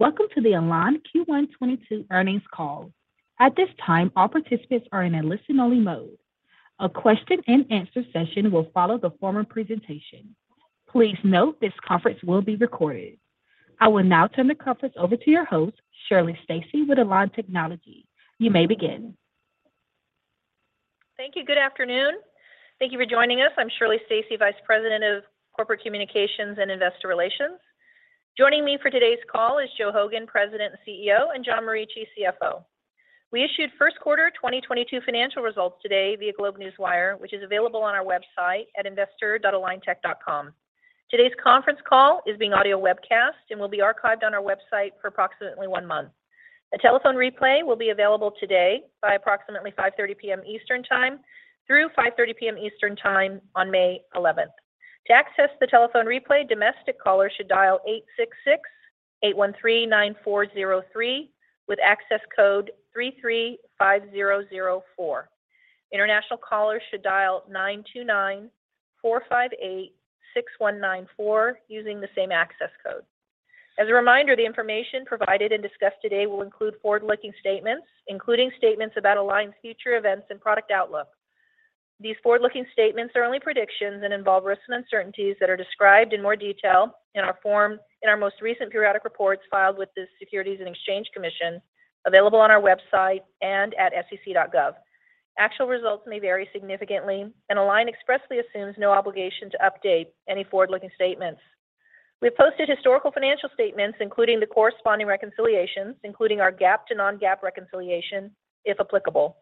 Welcome to the Align Q1 2022 Earnings Call. At this time, all participants are in a listen-only mode. A question and answer session will follow the formal presentation. Please note this conference will be recorded. I will now turn the conference over to your host, Shirley Stacy, with Align Technology. You may begin. Thank you. Good afternoon. Thank you for joining us. I'm Shirley Stacy, Vice President of Corporate Communications and Investor Relations. Joining me for today's call is Joe Hogan, President and CEO, and John Morici, CFO. We issued first quarter 2022 Financial Results today via GlobeNewswire, which is available on our website at investor.aligntech.com. Today's conference call is being audio webcast and will be archived on our website for approximately one month. A telephone replay will be available today by approximately 5:30 P.M. Eastern time through 5:30 P.M. Eastern time on 11th May. To access the telephone replay, domestic callers should dial 866-813-9403 with access code 335004. International callers should dial 929-458-6194 using the same access code. As a reminder, the information provided and discussed today will include forward-looking statements, including statements about Align's future events and product outlook. These forward-looking statements are only predictions and involve risks and uncertainties that are described in more detail in our most recent periodic reports filed with the Securities and Exchange Commission, available on our website and at sec.gov. Actual results may vary significantly, and Align expressly assumes no obligation to update any forward-looking statements. We've posted historical financial statements, including the corresponding reconciliations, including our GAAP to non-GAAP reconciliation, if applicable,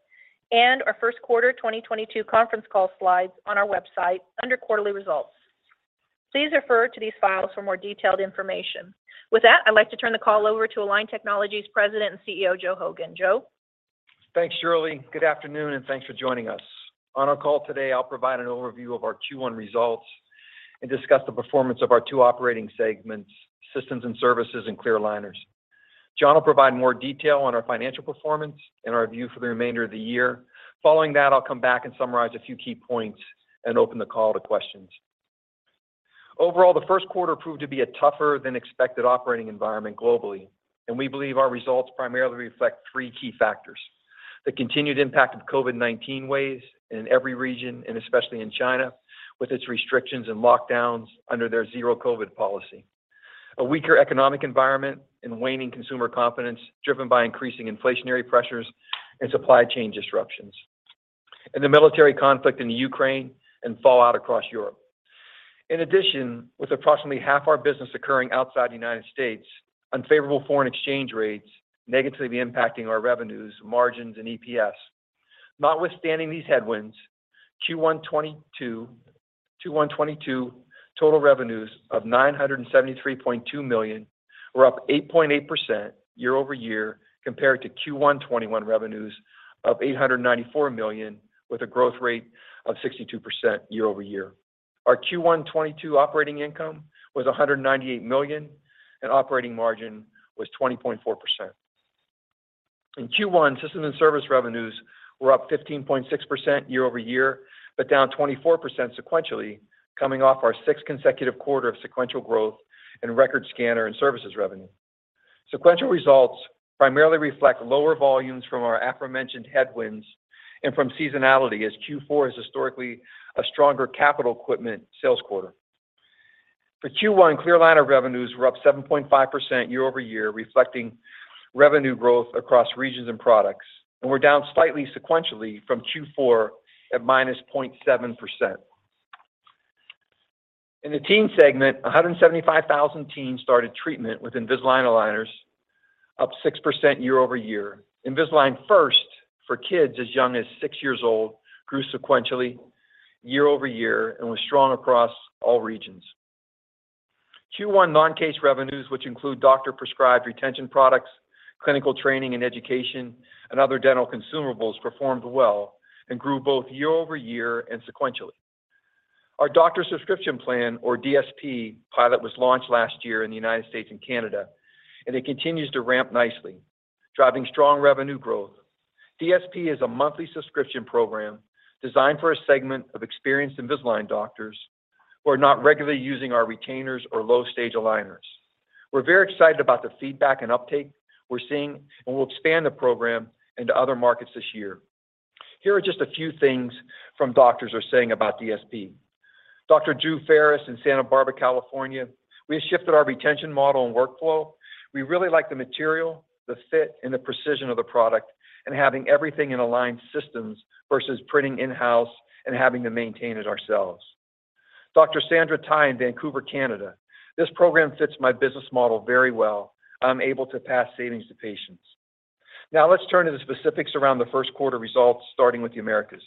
and our first quarter 2022 conference call slides on our website under Quarterly Results. Please refer to these files for more detailed information. With that, I'd like to turn the call over to Align Technology's president and CEO, Joe Hogan. Joe. Thanks, Shirley. Good afternoon, and thanks for joining us. On our call today, I'll provide an overview of our Q1 results and discuss the performance of our two operating segments, systems and services, and clear aligners. John will provide more detail on our financial performance and our view for the remainder of the year. Following that, I'll come back and summarize a few key points and open the call to questions. Overall, the first quarter proved to be a tougher than expected operating environment globally, and we believe our results primarily reflect three key factors. The continued impact of COVID-19 waves in every region, and especially in China, with its restrictions and lockdowns under their zero COVID policy. A weaker economic environment and waning consumer confidence driven by increasing inflationary pressures and supply chain disruptions. The military conflict in the Ukraine and fallout across Europe. In addition, with approximately half our business occurring outside the United States, unfavorable foreign exchange rates negatively impacting our revenues, margins, and EPS. Notwithstanding these headwinds, Q1 2022 total revenues of $973.2 million were up 8.8% year-over-year compared to Q1 2021 revenues of $894 million with a growth rate of 62% year-over-year. Our Q1 2022 operating income was $198 million, and operating margin was 20.4%. In Q1, systems and service revenues were up 15.6% year-over-year, but down 24% sequentially, coming off our sixth consecutive quarter of sequential growth and record scanner and services revenue. Sequential results primarily reflect lower volumes from our aforementioned headwinds and from seasonality as Q4 is historically a stronger capital equipment sales quarter. For Q1, clear aligner revenues were up 7.5% year-over-year, reflecting revenue growth across regions and products, and were down slightly sequentially from Q4 at -0.7%. In the teen segment, 175,000 teens started treatment with Invisalign aligners, up 6% year-over-year. Invisalign First for kids as young as 6 years old grew sequentially year-over-year and was strong across all regions. Q1 non-case revenues, which include doctor-prescribed retention products, clinical training and education, and other dental consumables, performed well and grew both year-over-year and sequentially. Our Doctor Subscription Plan, or DSP, pilot was launched last year in the United States and Canada, and it continues to ramp nicely, driving strong revenue growth. DSP is a monthly subscription program designed for a segment of experienced Invisalign doctors who are not regularly using our retainers or low stage aligners. We're very excited about the feedback and uptake we're seeing, and we'll expand the program into other markets this year. Here are just a few things doctors are saying about DSP. Dr. Drew Ferris in Santa Barbara, California, "We have shifted our retention model and workflow. We really like the material, the fit, and the precision of the product, and having everything in Align's systems versus printing in-house and having to maintain it ourselves." Dr. Sandra Tai in Vancouver, Canada, "This program fits my business model very well. I'm able to pass savings to patients." Now let's turn to the specifics around the first quarter results, starting with the Americas.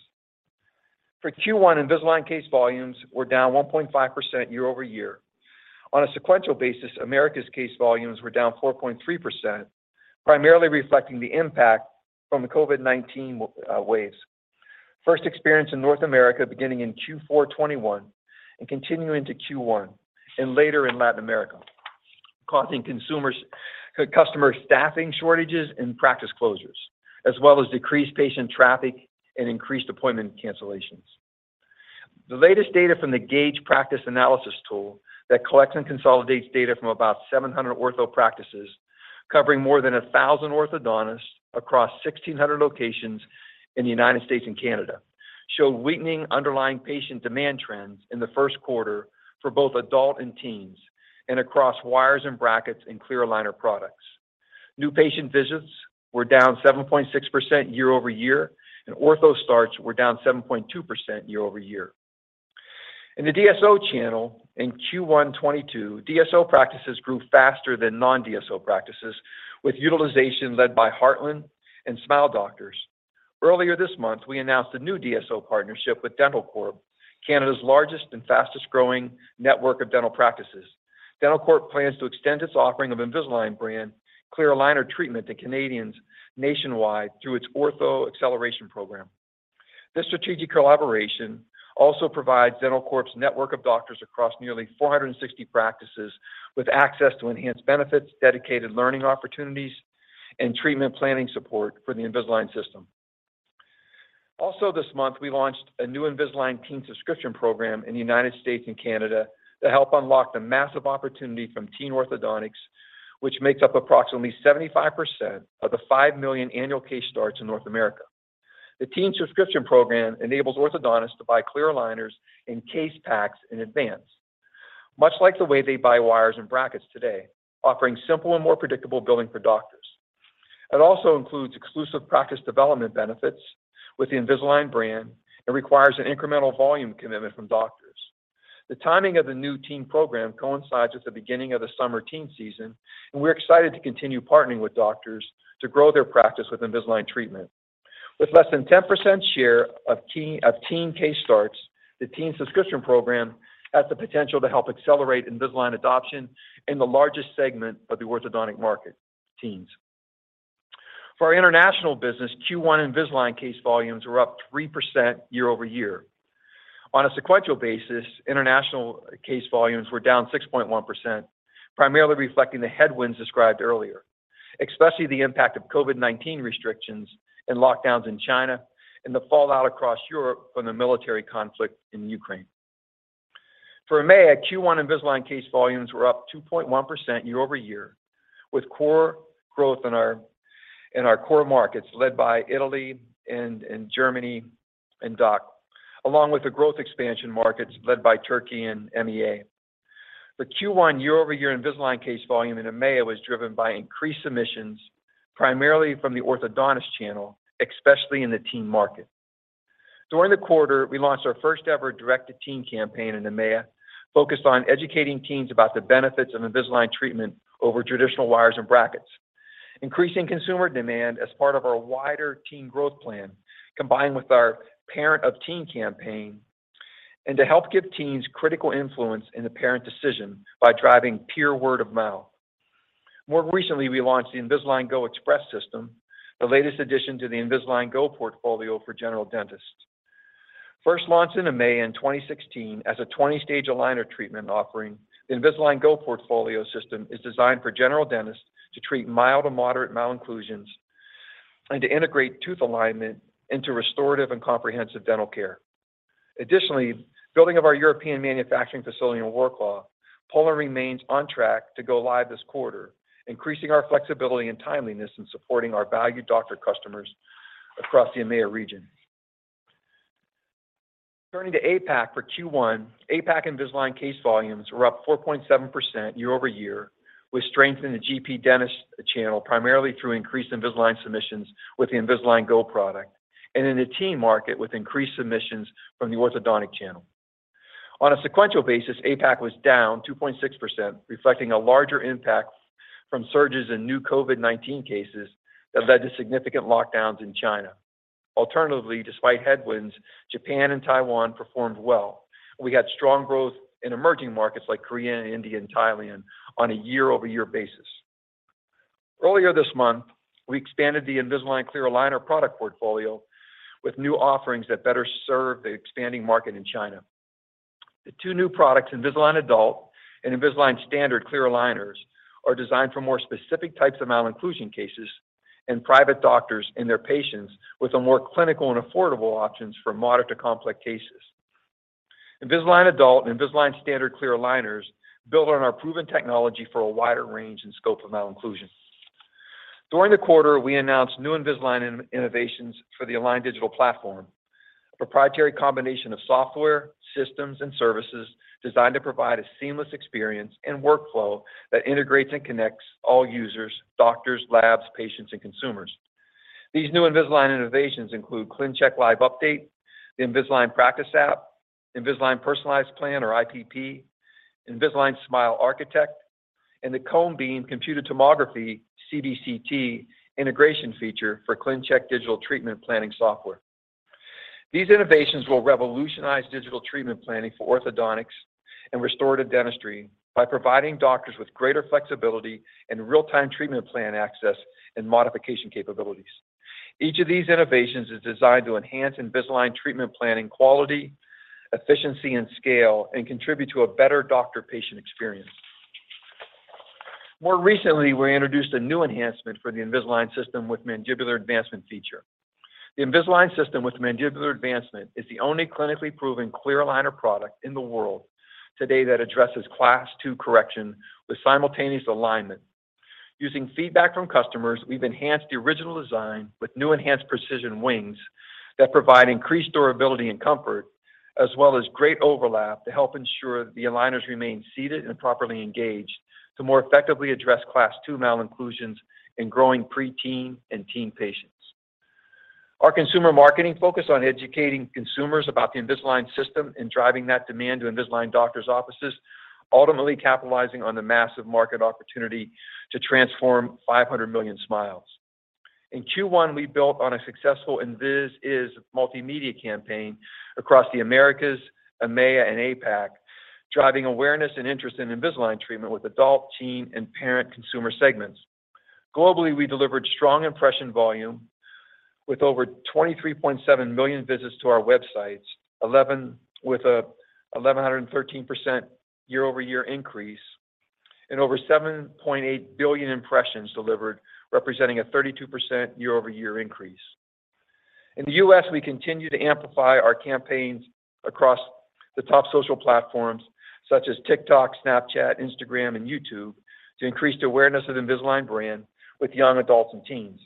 For Q1, Invisalign case volumes were down 1.5% year-over-year. On a sequential basis, Americas case volumes were down 4.3%, primarily reflecting the impact from the COVID-19 waves. First experience in North America beginning in Q4 2021 and continuing to Q1 and later in Latin America, causing customer staffing shortages and practice closures, as well as decreased patient traffic and increased appointment cancellations. The latest data from the Gaidge Practice Analysis tool that collects and consolidates data from about 700 ortho practices covering more than 1,000 orthodontists across 1,600 locations in the United States and Canada showed weakening underlying patient demand trends in the first quarter for both adult and teens, and across wires and brackets and clear aligner products. New patient visits were down 7.6% year-over-year, and ortho starts were down 7.2% year-over-year. In the DSO channel in Q1 2022, DSO practices grew faster than non-DSO practices with utilization led by Heartland Dental and Smile Doctors. Earlier this month, we announced a new DSO partnership with dentalcorp, Canada's largest and fastest-growing network of dental practices. dentalcorp plans to extend its offering of Invisalign brand clear aligner treatment to Canadians nationwide through its ortho acceleration program. This strategic collaboration also provides dentalcorp's network of doctors across nearly 460 practices with access to enhanced benefits, dedicated learning opportunities, and treatment planning support for the Invisalign system. Also this month, we launched a new Invisalign teen subscription program in the United States and Canada to help unlock the massive opportunity from teen orthodontics, which makes up approximately 75% of the 5 million annual case starts in North America. The teen subscription program enables orthodontists to buy clear aligners in case packs in advance, much like the way they buy wires and brackets today, offering simple and more predictable billing for doctors. It also includes exclusive practice development benefits with the Invisalign brand and requires an incremental volume commitment from doctors. The timing of the new teen program coincides with the beginning of the summer teen season, and we're excited to continue partnering with doctors to grow their practice with Invisalign treatment. With less than 10% share of teen case starts, the teen subscription program has the potential to help accelerate Invisalign adoption in the largest segment of the orthodontic market, teens. For our international business, Q1 Invisalign case volumes were up 3% year-over-year. On a sequential basis, international case volumes were down 6.1%, primarily reflecting the headwinds described earlier, especially the impact of COVID-19 restrictions and lockdowns in China and the fallout across Europe from the military conflict in Ukraine. For EMEA, Q1 Invisalign case volumes were up 2.1% year-over-year, with core growth in our core markets led by Italy and Germany and DACH, along with the growth expansion markets led by Turkey and MEA. The Q1 year-over-year Invisalign case volume in EMEA was driven by increased submissions primarily from the orthodontist channel, especially in the teen market. During the quarter, we launched our first-ever direct-to-teen campaign in EMEA, focused on educating teens about the benefits of Invisalign treatment over traditional wires and brackets. Increasing consumer demand as part of our wider teen growth plan, combined with our parent of teen campaign, and to help give teens critical influence in the parent decision by driving peer word of mouth. More recently, we launched the Invisalign Go Express system, the latest addition to the Invisalign Go portfolio for general dentists. First launched in EMEA in 2016 as a 20-stage aligner treatment offering, the Invisalign Go portfolio system is designed for general dentists to treat mild to moderate malocclusions and to integrate tooth alignment into restorative and comprehensive dental care. Additionally, building of our European manufacturing facility in Wrocław, Poland remains on track to go live this quarter, increasing our flexibility and timeliness in supporting our valued doctor customers across the EMEA region. Turning to APAC for Q1, APAC Invisalign case volumes were up 4.7% year-over-year, with strength in the GP dentist channel primarily through increased Invisalign submissions with the Invisalign Go product, and in the teen market with increased submissions from the orthodontic channel. On a sequential basis, APAC was down 2.6%, reflecting a larger impact from surges in new COVID-19 cases that led to significant lockdowns in China. Alternatively, despite headwinds, Japan and Taiwan performed well. We got strong growth in emerging markets like Korea, India, and Thailand on a year-over-year basis. Earlier this month, we expanded the Invisalign clear aligner product portfolio with new offerings that better serve the expanding market in China. The two new products, Invisalign Adult and Invisalign Standard clear aligners, are designed for more specific types of malocclusion cases and private doctors and their patients with a more clinical and affordable options for moderate to complex cases. Invisalign Adult and Invisalign Standard clear aligners build on our proven technology for a wider range and scope of malocclusion. During the quarter, we announced new Invisalign innovations for the Align Digital Platform, a proprietary combination of software, systems, and services designed to provide a seamless experience and workflow that integrates and connects all users, doctors, labs, patients, and consumers. These new Invisalign innovations include ClinCheck Live Update, the Invisalign Practice App, Invisalign Personalized Plan or IPP, Invisalign Smile Architect, and the Cone Beam Computed Tomography, CBCT, integration feature for ClinCheck digital treatment planning software. These innovations will revolutionize digital treatment planning for orthodontics and restorative dentistry by providing doctors with greater flexibility and real-time treatment plan access and modification capabilities. Each of these innovations is designed to enhance Invisalign treatment planning quality, efficiency, and scale, and contribute to a better doctor-patient experience. More recently, we introduced a new enhancement for the Invisalign system with mandibular advancement feature. The Invisalign system with mandibular advancement is the only clinically proven clear aligner product in the world today that addresses Class II correction with simultaneous alignment. Using feedback from customers, we've enhanced the original design with new enhanced precision wings that provide increased durability and comfort, as well as great overlap to help ensure the aligners remain seated and properly engaged to more effectively address Class II malocclusions in growing pre-teen and teen patients. Our consumer marketing focus on educating consumers about the Invisalign system and driving that demand to Invisalign doctors' offices, ultimately capitalizing on the massive market opportunity to transform 500 million smiles. In Q1, we built on a successful Invis-Is multimedia campaign across the Americas, EMEIA, and APAC, driving awareness and interest in Invisalign treatment with adult, teen, and parent consumer segments. Globally, we delivered strong impression volume with over 23.7 million visits to our websites with 1,113% year-over-year increase, and over 7.8 billion impressions delivered, representing a 32% year-over-year increase. In the US, we continue to amplify our campaigns across the top social platforms such as TikTok, Snapchat, Instagram, and YouTube to increase the awareness of Invisalign brand with young adults and teens.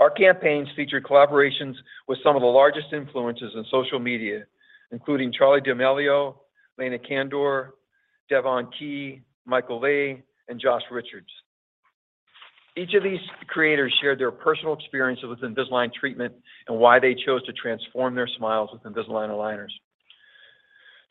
Our campaigns feature collaborations with some of the largest influencers in social media, including Charli D'Amelio, Lana Condor, Devin Caherly, Michael Le, and Josh Richards. Each of these creators shared their personal experiences with Invisalign treatment and why they chose to transform their smiles with Invisalign aligners.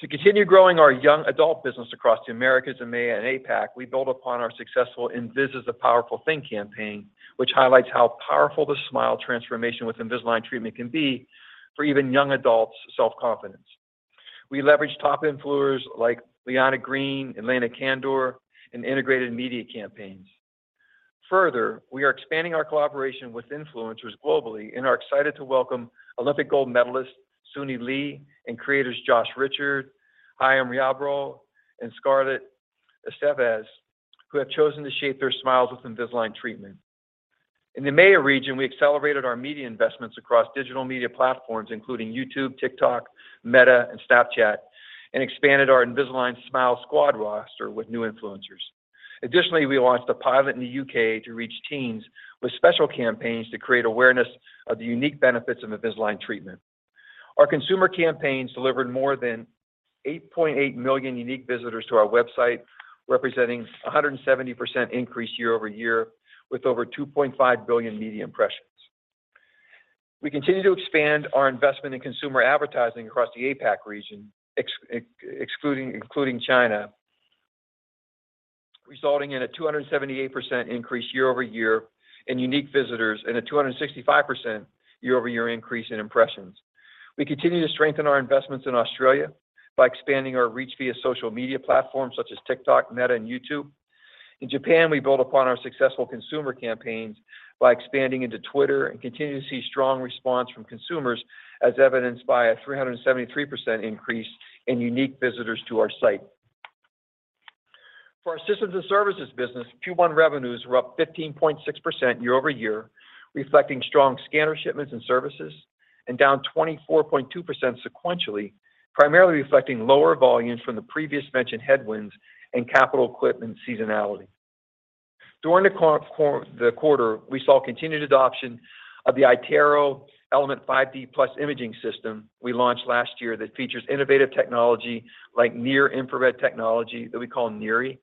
To continue growing our young adult business across the Americas, EMEA, and APAC, we build upon our successful Invis-Is a Powerful Thing campaign, which highlights how powerful the smile transformation with Invisalign treatment can be for even young adults' self-confidence. We leverage top influencers like Liana Green and Lana Condor in integrated media campaigns. Further, we are expanding our collaboration with influencers globally and are excited to welcome Olympic gold medalist Sunisa Lee and creators Josh Richards, Hi I'm Riabro, and Scarlett Estevez, who have chosen to shape their smiles with Invisalign treatment. In the EMEA region, we accelerated our media investments across digital media platforms, including YouTube, TikTok, Meta, and Snapchat, and expanded our Invisalign Smile Squad roster with new influencers. Additionally, we launched a pilot in the U.K. to reach teens with special campaigns to create awareness of the unique benefits of Invisalign treatment. Our consumer campaigns delivered more than 8.8 million unique visitors to our website, representing a 170% increase year-over-year with over 2.5 billion media impressions. We continue to expand our investment in consumer advertising across the APAC region, including China, resulting in a 278% increase year-over-year in unique visitors and a 265% year-over-year increase in impressions. We continue to strengthen our investments in Australia by expanding our reach via social media platforms such as TikTok, Meta, and YouTube. In Japan, we build upon our successful consumer campaigns by expanding into Twitter and continue to see strong response from consumers, as evidenced by a 373 increase in unique visitors to our site. For our systems and services business, Q1 revenues were up 15.6% year-over-year, reflecting strong scanner shipments and services, and down 24.2% sequentially, primarily reflecting lower volumes from the previously mentioned headwinds and capital equipment seasonality. During the quarter, we saw continued adoption of the iTero Element 5D Plus imaging system we launched last year that features innovative technology like near-infrared technology that we call NIRI,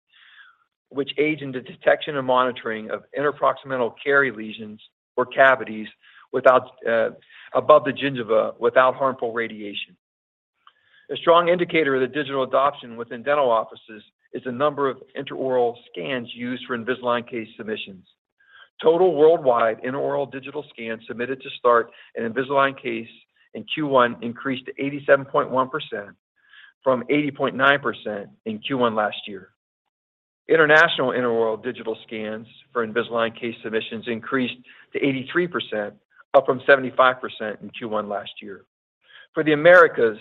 which aids in the detection and monitoring of interproximal caries lesions or cavities without above the gingiva without harmful radiation. A strong indicator of the digital adoption within dental offices is the number of intraoral scans used for Invisalign case submissions. Total worldwide intraoral digital scans submitted to start an Invisalign case in Q1 increased to 87.1% from 80.9% in Q1 last year. International intraoral digital scans for Invisalign case submissions increased to 83%, up from 75% in Q1 last year. For the Americas,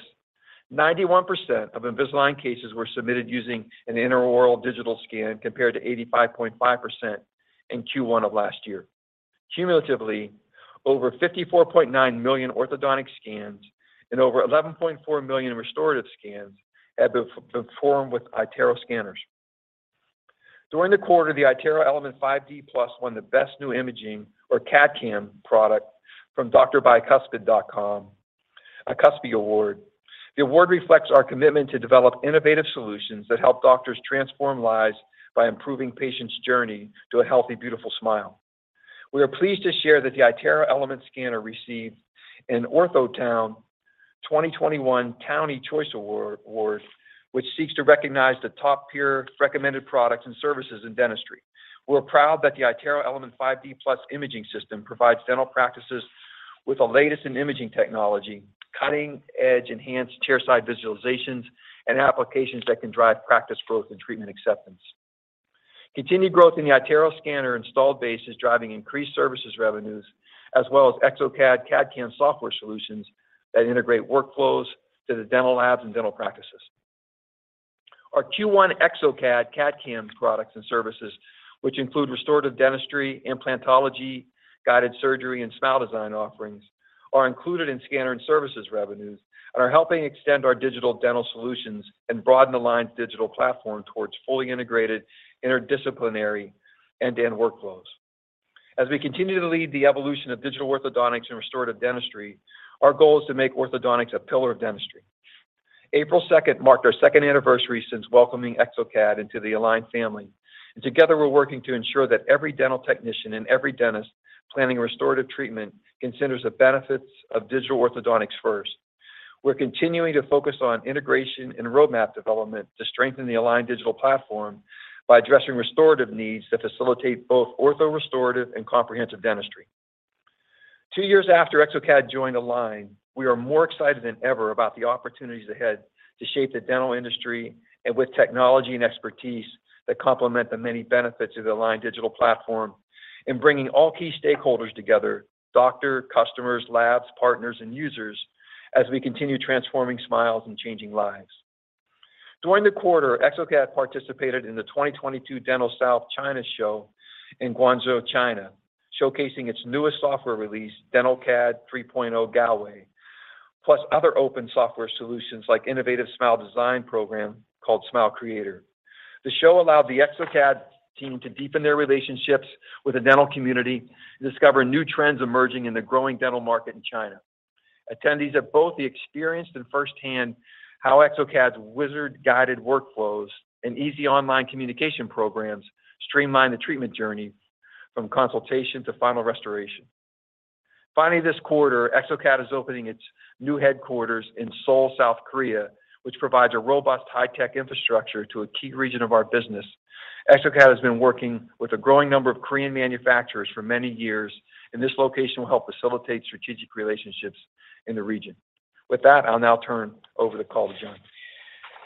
91% of Invisalign cases were submitted using an intraoral digital scan, compared to 85.5% in Q1 of last year. Cumulatively, over 54.9 million orthodontic scans and over 11.4 million restorative scans have been formed with iTero scanners. During the quarter, the iTero Element 5D Plus won the Best New Imaging or CAD/CAM product from DrBicuspid.com, a Cuspies award. The award reflects our commitment to develop innovative solutions that help doctors transform lives by improving patients' journey to a healthy, beautiful smile. We are pleased to share that the iTero Element Scanner received an Orthotown 2021 Townie Choice Award, which seeks to recognize the top peer-recommended products and services in dentistry. We're proud that the iTero Element 5D Plus imaging system provides dental practices with the latest in imaging technology, cutting-edge enhanced chairside visualizations, and applications that can drive practice growth and treatment acceptance. Continued growth in the iTero scanner installed base is driving increased services revenues as well as exocad CAD/CAM software solutions that integrate workflows to the dental labs and dental practices. Our Q1 exocad CAD/CAM products and services, which include restorative dentistry, implantology, guided surgery, and smile design offerings, are included in scanner and services revenues and are helping extend our digital dental solutions and broaden the line's digital platform towards fully integrated interdisciplinary end-to-end workflows. As we continue to lead the evolution of digital orthodontics and restorative dentistry, our goal is to make orthodontics a pillar of dentistry. April second marked our second anniversary since welcoming exocad into the Align family. Together, we're working to ensure that every dental technician and every dentist planning a restorative treatment considers the benefits of digital orthodontics first. We're continuing to focus on integration and roadmap development to strengthen the Align Digital Platform by addressing restorative needs that facilitate both ortho restorative and comprehensive dentistry. Two years after exocad joined Align, we are more excited than ever about the opportunities ahead to shape the dental industry and with technology and expertise that complement the many benefits of the Align Digital Platform in bringing all key stakeholders together, doctor, customers, labs, partners, and users, as we continue transforming smiles and changing lives. During the quarter, exocad participated in the 2022 Dental South China Show in Guangzhou, China, showcasing its newest software release, DentalCAD 3.0 Galway, plus other open software solutions like innovative smile design program called Smile Creator. The show allowed the exocad team to deepen their relationships with the dental community and discover new trends emerging in the growing dental market in China. Attendees have both experienced and firsthand how exocad's wizard-guided workflows and easy online communication programs streamline the treatment journey from consultation to final restoration. Finally, this quarter, exocad is opening its new headquarters in Seoul, South Korea, which provides a robust high-tech infrastructure to a key region of our business. exocad has been working with a growing number of Korean manufacturers for many years, and this location will help facilitate strategic relationships in the region. With that, I'll now turn over the call to John.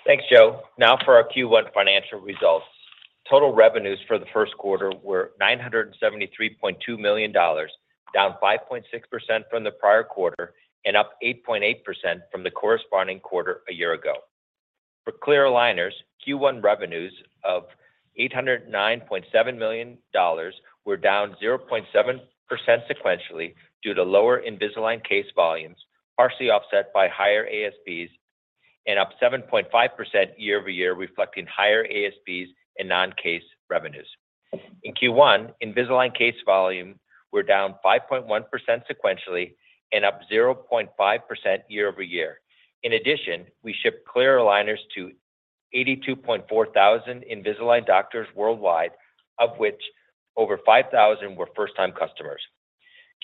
Thanks, Joe. Now for our Q1 financial results. Total revenues for the first quarter were $973.2 million, down 5.6% from the prior quarter and up 8.8% from the corresponding quarter a year ago. For clear aligners, Q1 revenues of $809.7 million were down 0.7% sequentially due to lower Invisalign case volumes, partially offset by higher ASPs and up 7.5% year-over-year, reflecting higher ASPs and non-case revenues. In Q1, Invisalign case volume were down 5.1% sequentially and up 0.5% year-over-year. In addition, we shipped clear aligners to 82.4 thousand Invisalign doctors worldwide, of which over 5,000 were first-time customers.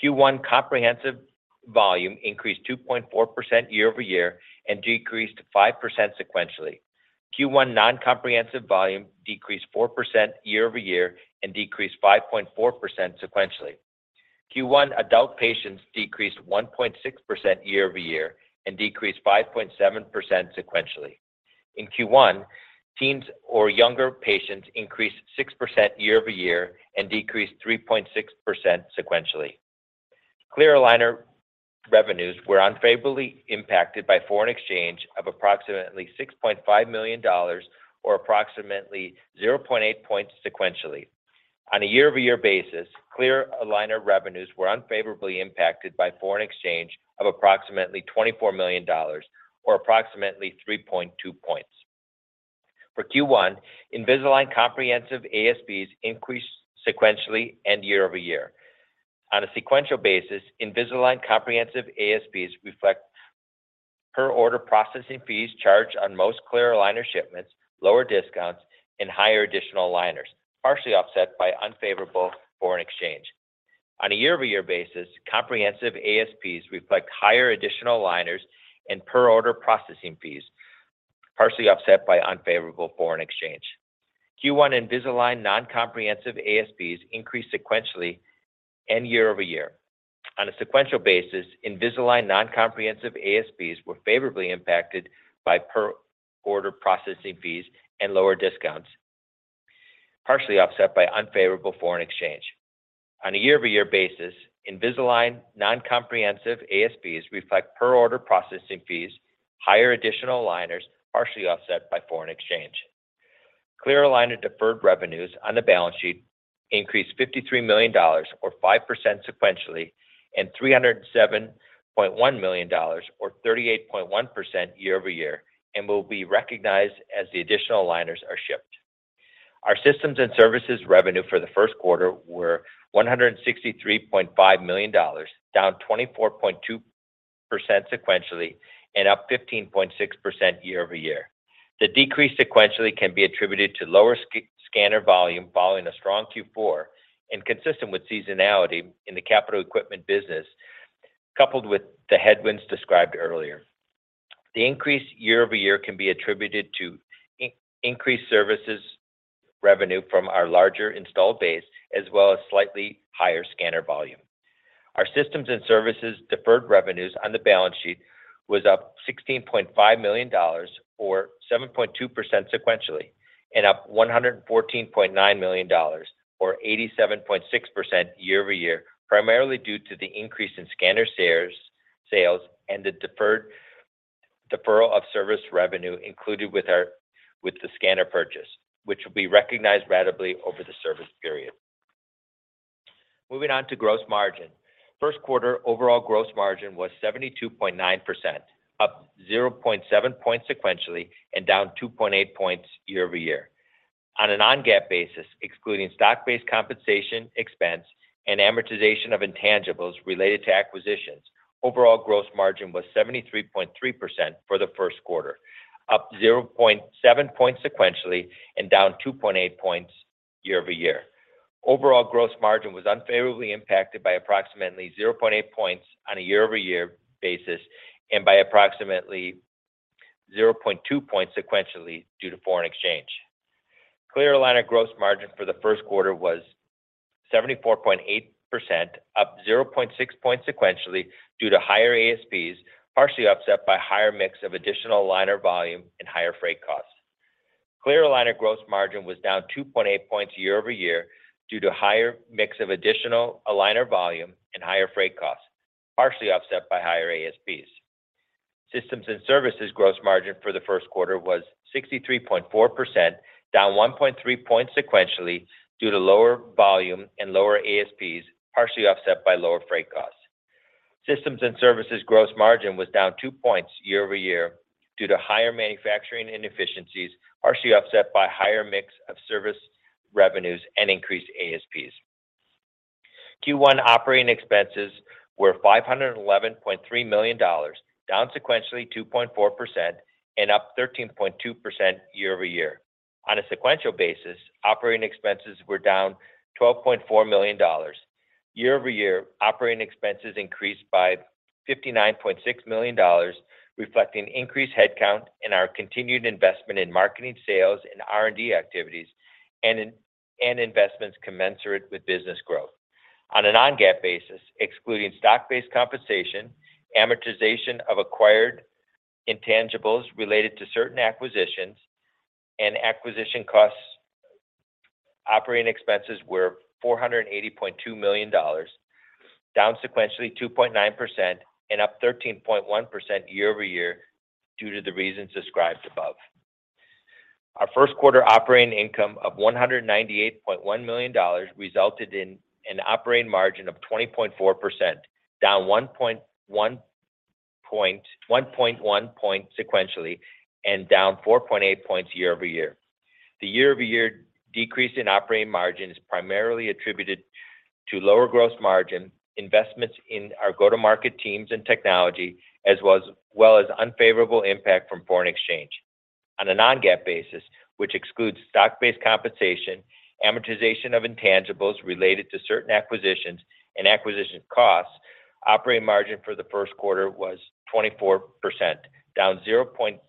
Q1 comprehensive volume increased 2.4% year-over-year and decreased 5% sequentially. Q1 non-comprehensive volume decreased 4% year-over-year and decreased 5.4% sequentially. Q1 adult patients decreased 1.6% year-over-year and decreased 5.7% sequentially. In Q1, teens or younger patients increased 6% year-over-year and decreased 3.6% sequentially. Clear aligner revenues were unfavorably impacted by foreign exchange of approximately $6.5 million or approximately 0.8 points sequentially. On a year-over-year basis, clear aligner revenues were unfavorably impacted by foreign exchange of approximately $24 million or approximately 3.2 points. For Q1, Invisalign comprehensive ASPs increased sequentially and year-over-year. On a sequential basis, Invisalign comprehensive ASPs reflect per order processing fees charged on most clear aligner shipments, lower discounts, and higher additional aligners, partially offset by unfavorable foreign exchange. On a year-over-year basis, comprehensive ASPs reflect higher additional aligners and per order processing fees, partially offset by unfavorable foreign exchange. Q1 Invisalign non-comprehensive ASPs increased sequentially and year-over-year. On a sequential basis, Invisalign non-comprehensive ASPs were favorably impacted by per order processing fees and lower discounts, partially offset by unfavorable foreign exchange. On a year-over-year basis, Invisalign non-comprehensive ASPs reflect per order processing fees, higher additional aligners, partially offset by foreign exchange. Clear aligner deferred revenues on the balance sheet increased $53 million or 5% sequentially and $307.1 million or 38.1% year-over-year and will be recognized as the additional aligners are shipped. Our systems and services revenue for the first quarter were $163.5 million, down 24.2% sequentially and up 15.6% year over year. The decrease sequentially can be attributed to lower scanner volume following a strong Q4 and consistent with seasonality in the capital equipment business, coupled with the headwinds described earlier. The increase year over year can be attributed to increased services revenue from our larger installed base as well as slightly higher scanner volume. Our systems and services deferred revenues on the balance sheet was up $16.5 million or 7.2% sequentially and up $114.9 million or 87.6% year-over-year, primarily due to the increase in scanner sales and the deferred deferral of service revenue included with the scanner purchase, which will be recognized ratably over the service period. Moving on to gross margin. First quarter overall gross margin was 72.9%, up 0.7 points sequentially and down 2.8 points year-over-year. On a non-GAAP basis, excluding stock-based compensation expense and amortization of intangibles related to acquisitions, overall gross margin was 73.3% for the first quarter, up 0.7 points sequentially and down 2.8 points year-over-year. Overall gross margin was unfavorably impacted by approximately 0.8 points on a year-over-year basis and by approximately 0.2 points sequentially due to foreign exchange. Clear aligner gross margin for the first quarter was 74.8%, up 0.6 points sequentially due to higher ASPs, partially offset by higher mix of additional aligner volume and higher freight costs. Clear aligner gross margin was down 2.8 points year-over-year due to higher mix of additional aligner volume and higher freight costs, partially offset by higher ASPs. Systems and services gross margin for the first quarter was 63.4%, down 1.3 points sequentially due to lower volume and lower ASPs, partially offset by lower freight costs. Systems and services gross margin was down 2 points year-over-year due to higher manufacturing inefficiencies, partially offset by higher mix of service revenues and increased ASPs. Q1 operating expenses were $511.3 million, down sequentially 2.4% and up 13.2% year-over-year. On a sequential basis, operating expenses were down $12.4 million. Year-over-year, operating expenses increased by $59.6 million, reflecting increased headcount in our continued investment in marketing, sales, and R&D activities and investments commensurate with business growth. On a non-GAAP basis, excluding stock-based compensation, amortization of acquired intangibles related to certain acquisitions, and acquisition costs, operating expenses were $480.2 million, down sequentially 2.9% and up 13.1% year-over-year due to the reasons described above. Our first quarter operating income of $198.1 million resulted in an operating margin of 20.4%, down 1.1 points sequentially and down 4.8 points year-over-year. The year-over-year decrease in operating margin is primarily attributed to lower gross margin, investments in our go-to-market teams and technology, as well as unfavorable impact from foreign exchange. On a non-GAAP basis, which excludes stock-based compensation, amortization of intangibles related to certain acquisitions, and acquisition costs, operating margin for the first quarter was 24%, down 0.7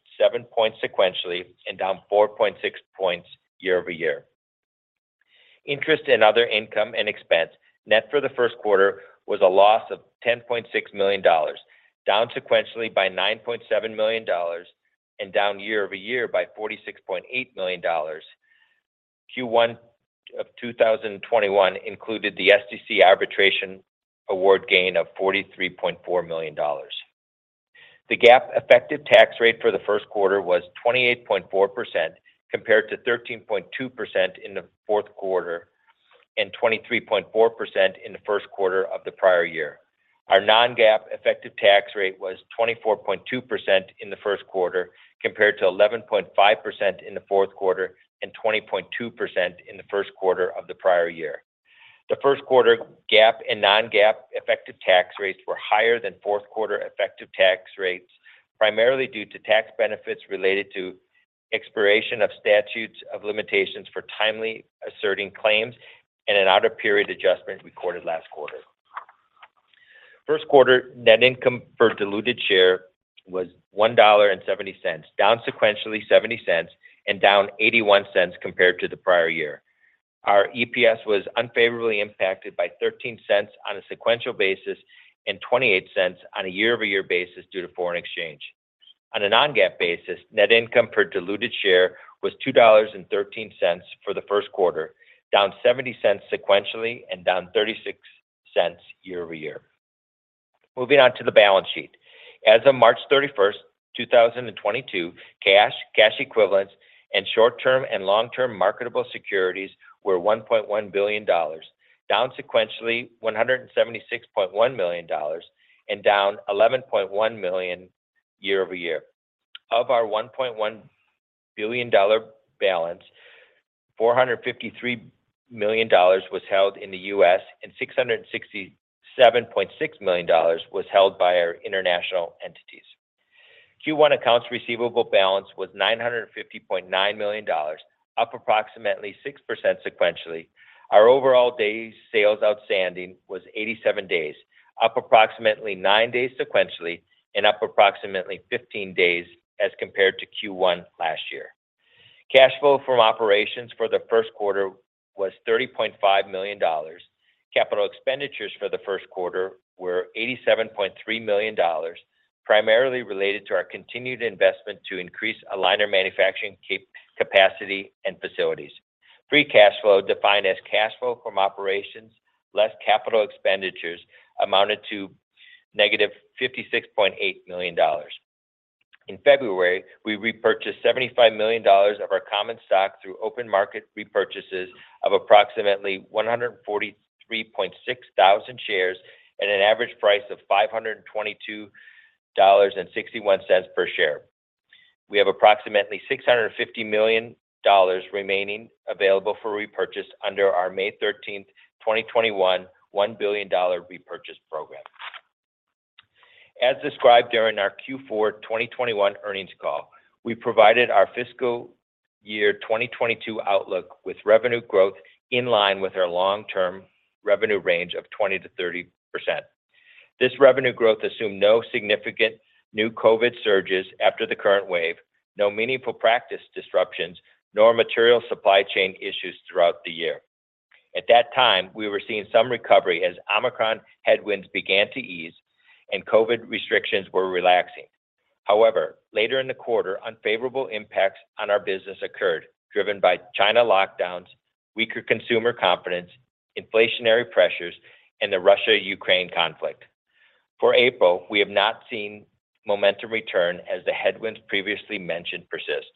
points sequentially and down 4.6 points year-over-year. Interest and other income and expense, net for the first quarter was a loss of $10.6 million, down sequentially by $9.7 million and down year-over-year by $46.8 million. Q1 of 2021 included the SDC arbitration award gain of $43.4 million. The GAAP effective tax rate for the first quarter was 28.4% compared to 13.2% in the fourth quarter and 23.4% in the first quarter of the prior year. Our non-GAAP effective tax rate was 24.2% in the first quarter compared to 11.5% in the fourth quarter and 20.2% in the first quarter of the prior year. The first quarter GAAP and non-GAAP effective tax rates were higher than fourth quarter effective tax rates, primarily due to tax benefits related to expiration of statutes of limitations for timely asserting claims and an out-of-period adjustment recorded last quarter. First quarter net income per diluted share was $1.70, down sequentially $0.70 and down $0.81 compared to the prior year. Our EPS was unfavorably impacted by $0.13 on a sequential basis and $0.28 on a year-over-year basis due to foreign exchange. On a non-GAAP basis, net income per diluted share was $2.13 for the first quarter, down $0.70 sequentially and down $0.36 year-over-year. Moving on to the balance sheet. As of March 31, 2022, cash equivalents, and short-term and long-term marketable securities were $1.1 billion, down sequentially $176.1 million and down $11.1 million year-over-year. Of our $1.1 billion balance, $453 million was held in the US, and $667.6 million was held by our international entities. Q1 accounts receivable balance was $950.9 million, up approximately 6% sequentially. Our overall days sales outstanding was 87 days, up approximately 9 days sequentially and up approximately 15 days as compared to Q1 last year. Cash flow from operations for the first quarter was $30.5 million. Capital expenditures for the first quarter were $87.3 million, primarily related to our continued investment to increase aligner manufacturing capacity and facilities. Free cash flow defined as cash flow from operations less capital expenditures amounted to -$56.8 million. In February, we repurchased $75 million of our common stock through open market repurchases of approximately 143,600 shares at an average price of $522.61 per share. We have approximately $650 million remaining available for repurchase under our May 13, 2021, $1 billion repurchase program. As described during our Q4 2021 earnings call, we provided our fiscal year 2022 outlook with revenue growth in line with our long-term revenue range of 20%-30%. This revenue growth assumed no significant new COVID surges after the current wave, no meaningful practice disruptions, nor material supply chain issues throughout the year. At that time, we were seeing some recovery as Omicron headwinds began to ease and COVID restrictions were relaxing. However, later in the quarter, unfavorable impacts on our business occurred, driven by China lockdowns, weaker consumer confidence, inflationary pressures, and the Russia-Ukraine conflict. For April, we have not seen momentum return as the headwinds previously mentioned persist.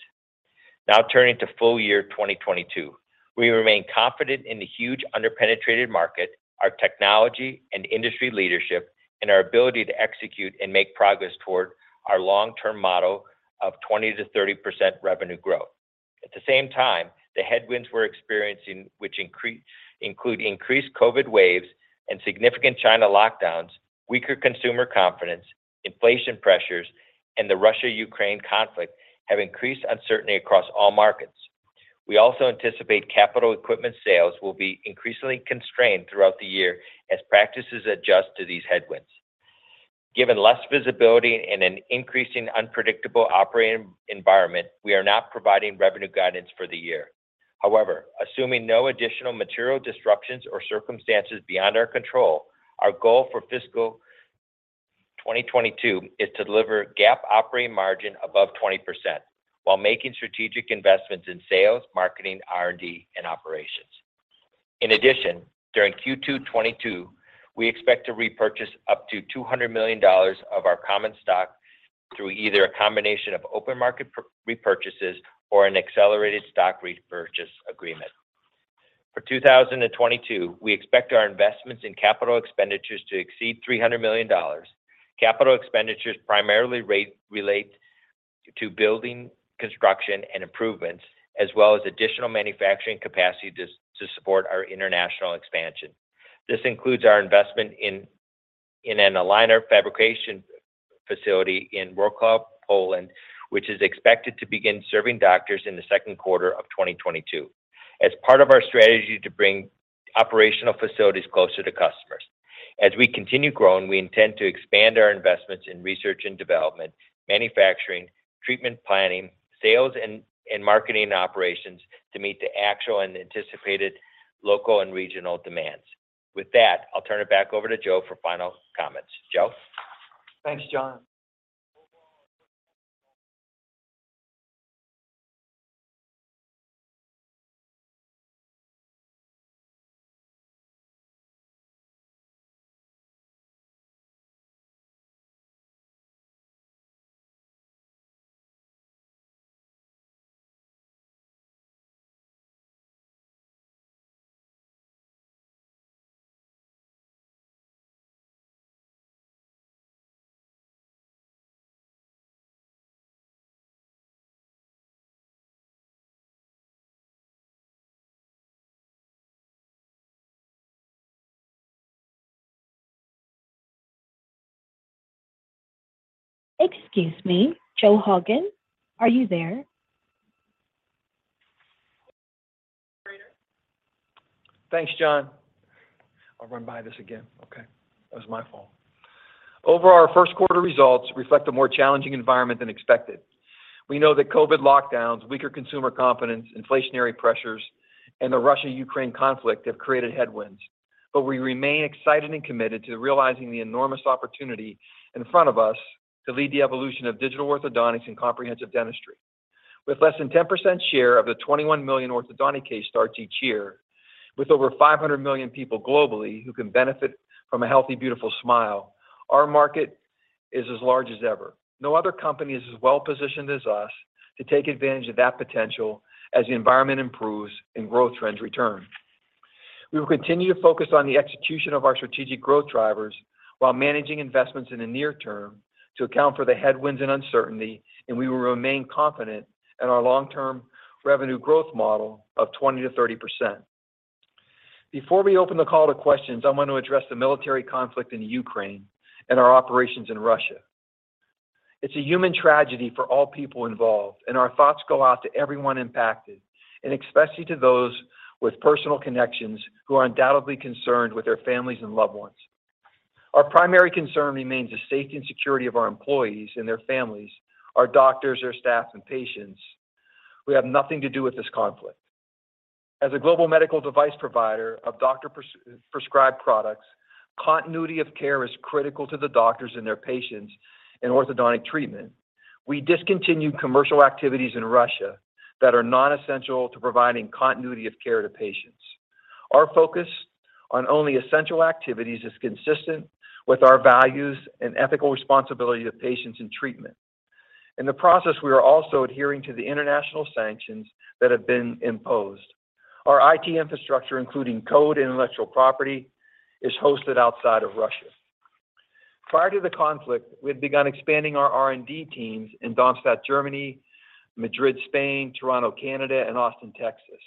Now turning to full year 2022. We remain confident in the huge under-penetrated market, our technology and industry leadership, and our ability to execute and make progress toward our long-term model of 20%-30% revenue growth. At the same time, the headwinds we're experiencing, which include increased COVID waves and significant China lockdowns, weaker consumer confidence, inflation pressures, and the Russia-Ukraine conflict have increased uncertainty across all markets. We also anticipate capital equipment sales will be increasingly constrained throughout the year as practices adjust to these headwinds. Given less visibility and an increasing unpredictable operating environment, we are not providing revenue guidance for the year. However, assuming no additional material disruptions or circumstances beyond our control, our goal for fiscal 2022 is to deliver GAAP operating margin above 20% while making strategic investments in sales, marketing, R&D, and operations. In addition, during Q2 2022, we expect to repurchase up to $200 million of our common stock through either a combination of open market repurchases or an accelerated stock repurchase agreement. For 2022, we expect our investments in capital expenditures to exceed $300 million. Capital expenditures primarily relate to building construction and improvements, as well as additional manufacturing capacity to support our international expansion. This includes our investment in an aligner fabrication facility in Wrocław, Poland, which is expected to begin serving doctors in the second quarter of 2022 as part of our strategy to bring operational facilities closer to customers. As we continue growing, we intend to expand our investments in research and development, manufacturing, treatment planning, sales, and marketing operations to meet the actual and anticipated local and regional demands. With that, I'll turn it back over to Joe for final comments. Joe? Thanks, John. Excuse me, Joe Hogan, are you there? Thanks, John. I'll run by this again. Okay. That was my fault. Overall, our first quarter results reflect a more challenging environment than expected. We know that COVID lockdowns, weaker consumer confidence, inflationary pressures, and the Russia-Ukraine conflict have created headwinds, but we remain excited and committed to realizing the enormous opportunity in front of us to lead the evolution of digital orthodontics and comprehensive dentistry. With less than 10% share of the 21 million orthodontic case starts each year, with over 500 million people globally who can benefit from a healthy, beautiful smile, our market is as large as ever. No other company is as well-positioned as us to take advantage of that potential as the environment improves and growth trends return. We will continue to focus on the execution of our strategic growth drivers while managing investments in the near term to account for the headwinds and uncertainty, and we will remain confident in our long-term revenue growth model of 20%-30%. Before we open the call to questions, I want to address the military conflict in Ukraine and our operations in Russia. It's a human tragedy for all people involved, and our thoughts go out to everyone impacted, and especially to those with personal connections who are undoubtedly concerned with their families and loved ones. Our primary concern remains the safety and security of our employees and their families, our doctors, our staff, and patients, who have nothing to do with this conflict. As a global medical device provider of doctor-prescribed products, continuity of care is critical to the doctors and their patients in orthodontic treatment. We discontinued commercial activities in Russia that are non-essential to providing continuity of care to patients. Our focus on only essential activities is consistent with our values and ethical responsibility to patients in treatment. In the process, we are also adhering to the international sanctions that have been imposed. Our IT infrastructure, including code and intellectual property, is hosted outside of Russia. Prior to the conflict, we'd begun expanding our R&D teams in Darmstadt, Germany, Madrid, Spain, Toronto, Canada, and Austin, Texas,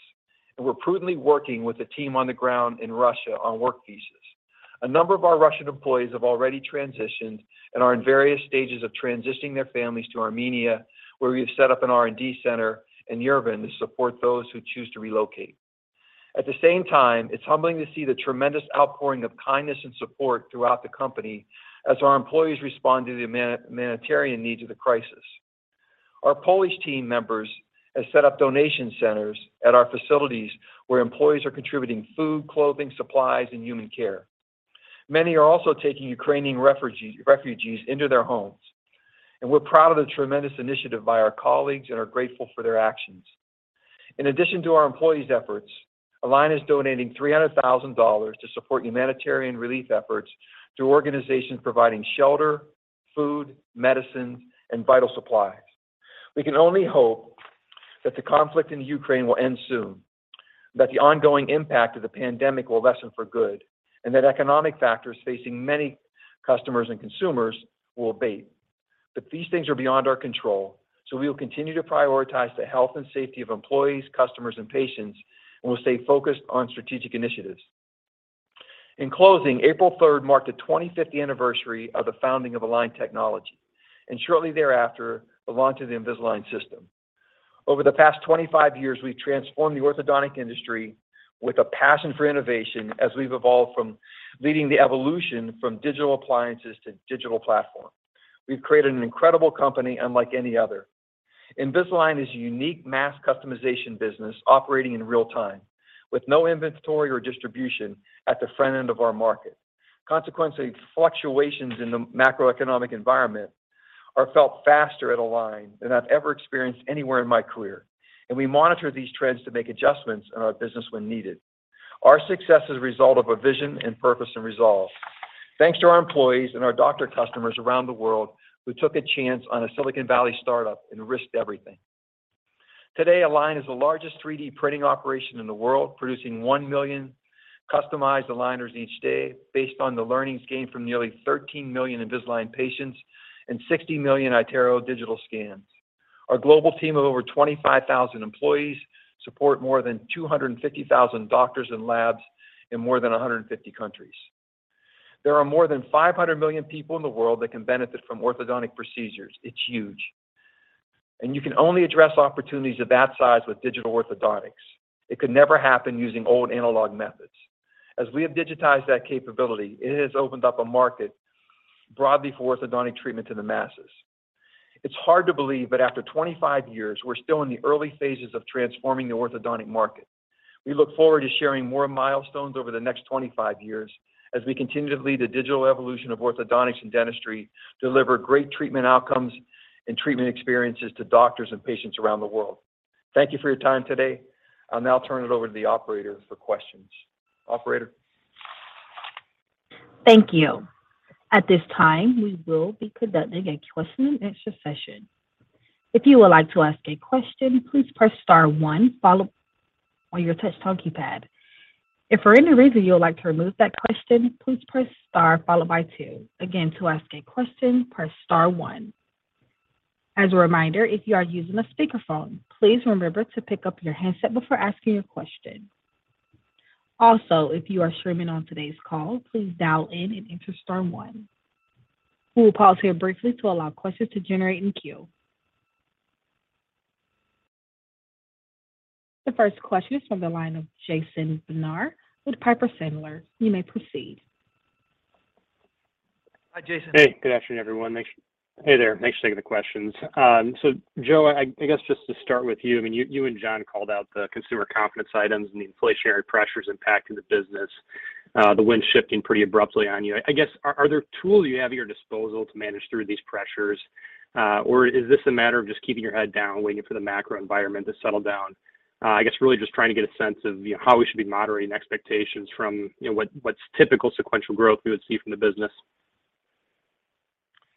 and we're prudently working with the team on the ground in Russia on work visas. A number of our Russian employees have already transitioned and are in various stages of transitioning their families to Armenia, where we have set up an R&D center in Yerevan to support those who choose to relocate. At the same time, it's humbling to see the tremendous outpouring of kindness and support throughout the company as our employees respond to the humanitarian needs of the crisis. Our Polish team members have set up donation centers at our facilities where employees are contributing food, clothing, supplies, and human care. Many are also taking Ukrainian refugees into their homes, and we're proud of the tremendous initiative by our colleagues and are grateful for their actions. In addition to our employees' efforts, Align is donating $300,000 to support humanitarian relief efforts through organizations providing shelter, food, medicine, and vital supplies. We can only hope that the conflict in Ukraine will end soon, that the ongoing impact of the pandemic will lessen for good, and that economic factors facing many customers and consumers will abate. These things are beyond our control, so we will continue to prioritize the health and safety of employees, customers, and patients, and we'll stay focused on strategic initiatives. In closing, April third marked the 25th anniversary of the founding of Align Technology, and shortly thereafter, the launch of the Invisalign system. Over the past 25 years, we've transformed the orthodontic industry with a passion for innovation as we've evolved from leading the evolution from digital appliances to digital platform. We've created an incredible company unlike any other. Invisalign is a unique mass customization business operating in real time with no inventory or distribution at the front end of our market. Consequently, fluctuations in the macroeconomic environment are felt faster at Align than I've ever experienced anywhere in my career, and we monitor these trends to make adjustments in our business when needed. Our success is a result of a vision and purpose and resolve. Thanks to our employees and our doctor customers around the world who took a chance on a Silicon Valley startup and risked everything. Today, Align is the largest 3D printing operation in the world, producing 1 million customized aligners each day based on the learnings gained from nearly 13 million Invisalign patients and 60 million iTero digital scans. Our global team of over 25,000 employees support more than 250,000 doctors and labs in more than 150 countries. There are more than 500 million people in the world that can benefit from orthodontic procedures. It's huge. You can only address opportunities of that size with digital orthodontics. It could never happen using old analog methods. As we have digitized that capability, it has opened up a market broadly for orthodontic treatment to the masses. It's hard to believe, but after 25 years, we're still in the early phases of transforming the orthodontic market. We look forward to sharing more milestones over the next 25 years as we continue to lead the digital evolution of orthodontics and dentistry, deliver great treatment outcomes and treatment experiences to doctors and patients around the world. Thank you for your time today. I'll now turn it over to the operator for questions. Operator? Thank you. At this time, we will be conducting a question and answer session. If you would like to ask a question, please press star one on your touchtone keypad. If for any reason you would like to remove that question, please press star followed by two. Again, to ask a question, press star one. As a reminder, if you are using a speakerphone, please remember to pick up your handset before asking a question. Also, if you are streaming on today's call, please dial in and enter star one. We will pause here briefly to allow questions to generate in queue. The first question is from the line of Jason Bednar with Piper Sandler. You may proceed. Hi, Jason. Hey. Good afternoon, everyone. Hey there, thanks for taking the questions. So Joe, I guess just to start with you, I mean, you and John called out the consumer confidence items and the inflationary pressures impacting the business, the wind shifting pretty abruptly on you. I guess, are there tools you have at your disposal to manage through these pressures? Or is this a matter of just keeping your head down, waiting for the macro environment to settle down? I guess really just trying to get a sense of, you know, how we should be moderating expectations from, you know, what's typical sequential growth we would see from the business.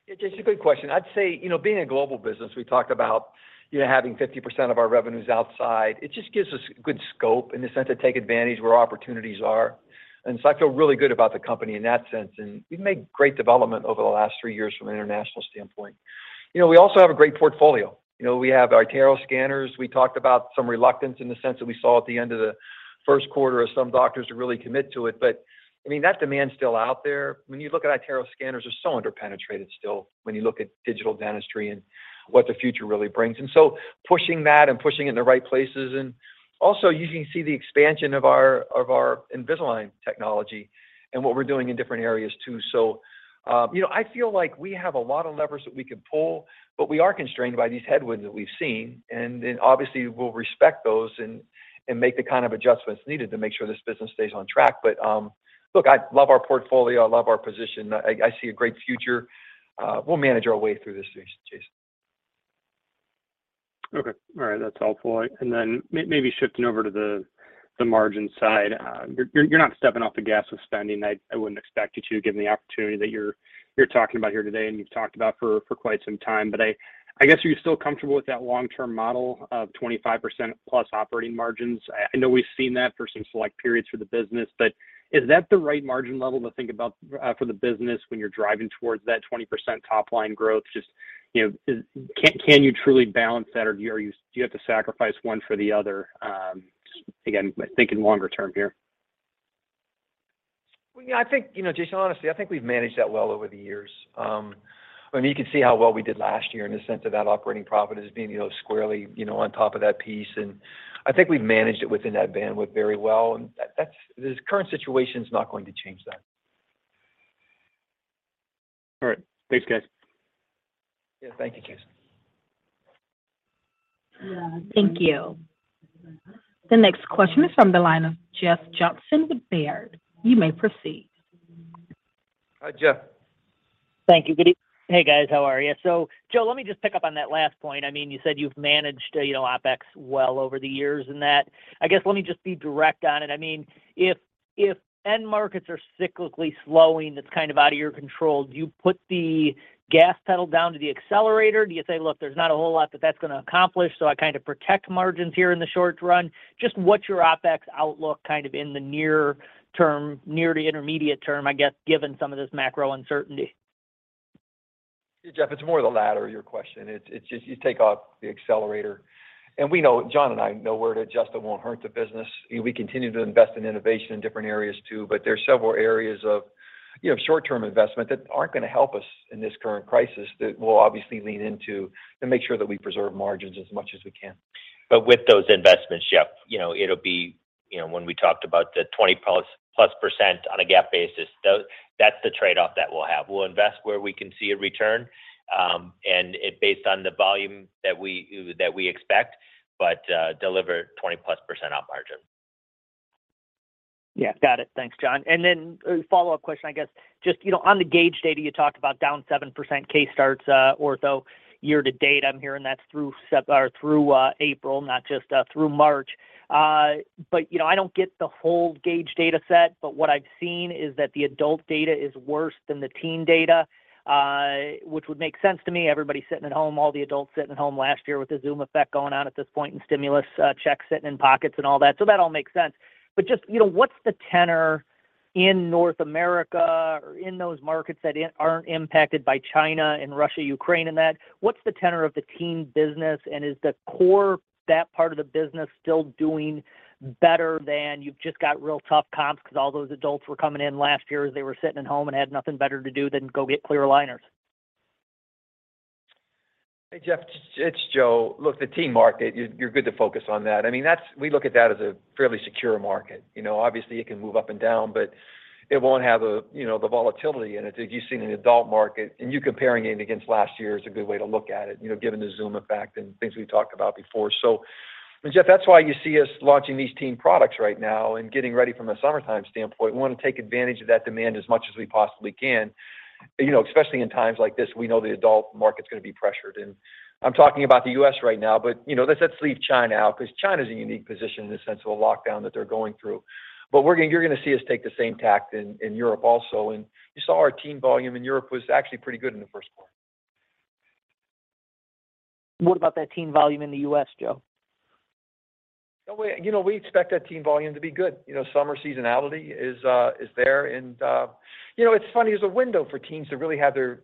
Yeah, Jason, good question. I'd say, you know, being a global business, we talked about, you know, having 50% of our revenues outside, it just gives us good scope in the sense to take advantage where opportunities are. I feel really good about the company in that sense, and we've made great development over the last 3 years from an international standpoint. You know, we also have a great portfolio. You know, we have our iTero scanners. We talked about some reluctance in the sense that we saw at the end of the first quarter as some doctors to really commit to it. But, I mean, that demand's still out there. When you look at iTero scanners, they're so under-penetrated still when you look at digital dentistry and what the future really brings. Pushing that and pushing it in the right places and also you can see the expansion of our Invisalign technology and what we're doing in different areas too. You know, I feel like we have a lot of levers that we can pull, but we are constrained by these headwinds that we've seen. Obviously we'll respect those and make the kind of adjustments needed to make sure this business stays on track. Look, I love our portfolio. I love our position. I see a great future. We'll manage our way through this, Jason. All right. That's helpful. Shifting over to the margin side. You're not stepping off the gas with spending. I wouldn't expect you to, given the opportunity that you're talking about here today and you've talked about for quite some time. I guess, are you still comfortable with that long term model of 25% plus operating margins? I know we've seen that for some select periods for the business, but is that the right margin level to think about for the business when you're driving towards that 20% top line growth? Can you truly balance that? Or do you have to sacrifice one for the other? Again, thinking longer term here. Well, yeah, I think, you know, Jason, honestly, I think we've managed that well over the years. I mean, you can see how well we did last year in the sense of that operating profit as being, you know, squarely, you know, on top of that piece. This current situation is not going to change that. All right. Thanks, guys. Yeah. Thank you, Jason. Thank you. The next question is from the line of Jeff Johnson with Baird. You may proceed. Hi, Jeff. Thank you. Hey, guys. How are you? Joe, let me just pick up on that last point. I mean, you said you've managed, you know, OpEx well over the years and that. I guess let me just be direct on it. I mean, if end markets are cyclically slowing, that's kind of out of your control. Do you put the gas pedal down to the accelerator? Do you say, "Look, there's not a whole lot that that's gonna accomplish, so I kind of protect margins here in the short run"? Just what's your OpEx outlook kind of in the near term, near to intermediate term, I guess, given some of this macro uncertainty? Hey, Jeff, it's more the latter of your question. It's just you take off the accelerator. We know, John and I know where to adjust that won't hurt the business. We continue to invest in innovation in different areas too. There are several areas of, you know, short-term investment that aren't gonna help us in this current crisis that we'll obviously lean into to make sure that we preserve margins as much as we can. With those investments, Jeff, you know, it'll be, you know, when we talked about the 20%+ on a GAAP basis, that's the trade-off that we'll have. We'll invest where we can see a return, and it'll be based on the volume that we expect, but deliver 20%+ on margin. Yeah. Got it. Thanks, John. A follow-up question, I guess. Just, you know, on the Gaidge data you talked about down 7% case starts, ortho year to date. I'm hearing that's through April, not just through March. You know, I don't get the whole Gaidge data set, but what I've seen is that the adult data is worse than the teen data, which would make sense to me. Everybody's sitting at home, all the adults sitting at home last year with the Zoom effect going on at this point and stimulus checks sitting in pockets and all that. That all makes sense. Just, you know, what's the tenor in North America or in those markets that aren't impacted by China and Russia, Ukraine, and that? What's the tenor of the teen business? Is the core, that part of the business still doing better than you've just got real tough comps 'cause all those adults were coming in last year as they were sitting at home and had nothing better to do than go get clear aligners? Hey, Jeff, it's Joe. Look, the teen market, you're good to focus on that. I mean, that's we look at that as a fairly secure market. You know, obviously it can move up and down, but it won't have a you know the volatility in it as you've seen in the adult market. You comparing it against last year is a good way to look at it, you know, given the Zoom effect and things we've talked about before. I mean, Jeff, that's why you see us launching these teen products right now and getting ready from a summertime standpoint. We want to take advantage of that demand as much as we possibly can. You know, especially in times like this, we know the adult market's gonna be pressured. I'm talking about the U.S. right now, but, you know, let's leave China out 'cause China is in a unique position in the sense of a lockdown that they're going through. You're gonna see us take the same tack in Europe also. You saw our teen volume in Europe was actually pretty good in the first quarter. What about that teen volume in the U.S., Joe? No, you know, we expect that teen volume to be good. You know, summer seasonality is there. You know, it's funny, there's a window for teens to really have their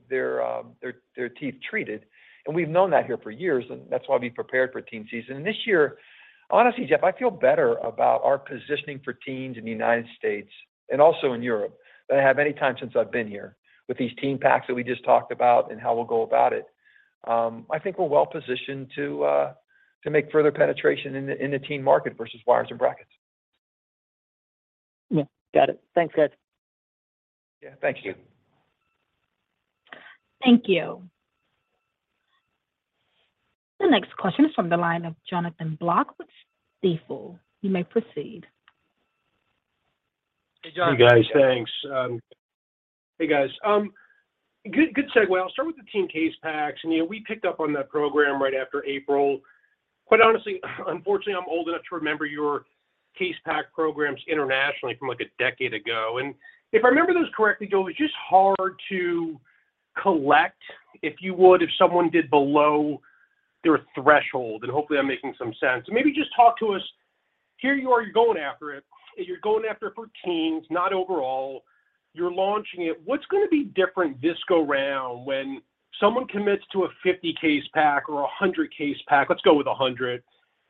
teeth treated. We've known that here for years, and that's why we prepared for teen season. This year, honestly, Jeff, I feel better about our positioning for teens in the United States and also in Europe than I have any time since I've been here. With these teen packs that we just talked about and how we'll go about it, I think we're well positioned to make further penetration in the teen market versus wires and brackets. Yeah. Got it. Thanks, guys. Yeah. Thank you. Thank you. The next question is from the line of Jonathan Block with Stifel. You may proceed. Hey, John. Hey, guys. Thanks. Hey, guys. Good segue. I'll start with the teen case packs. You know, we picked up on that program right after April. Quite honestly, unfortunately, I'm old enough to remember your case pack programs internationally from, like, a decade ago. If I remember those correctly, Joe, it's just hard to collect, if you would, if someone did below their threshold. Hopefully I'm making some sense. Maybe just talk to us. Here you are, you're going after it, and you're going after it for teens, not overall. You're launching it. What's gonna be different this go round when someone commits to a 50 case pack or a 100 case pack? Let's go with a 100.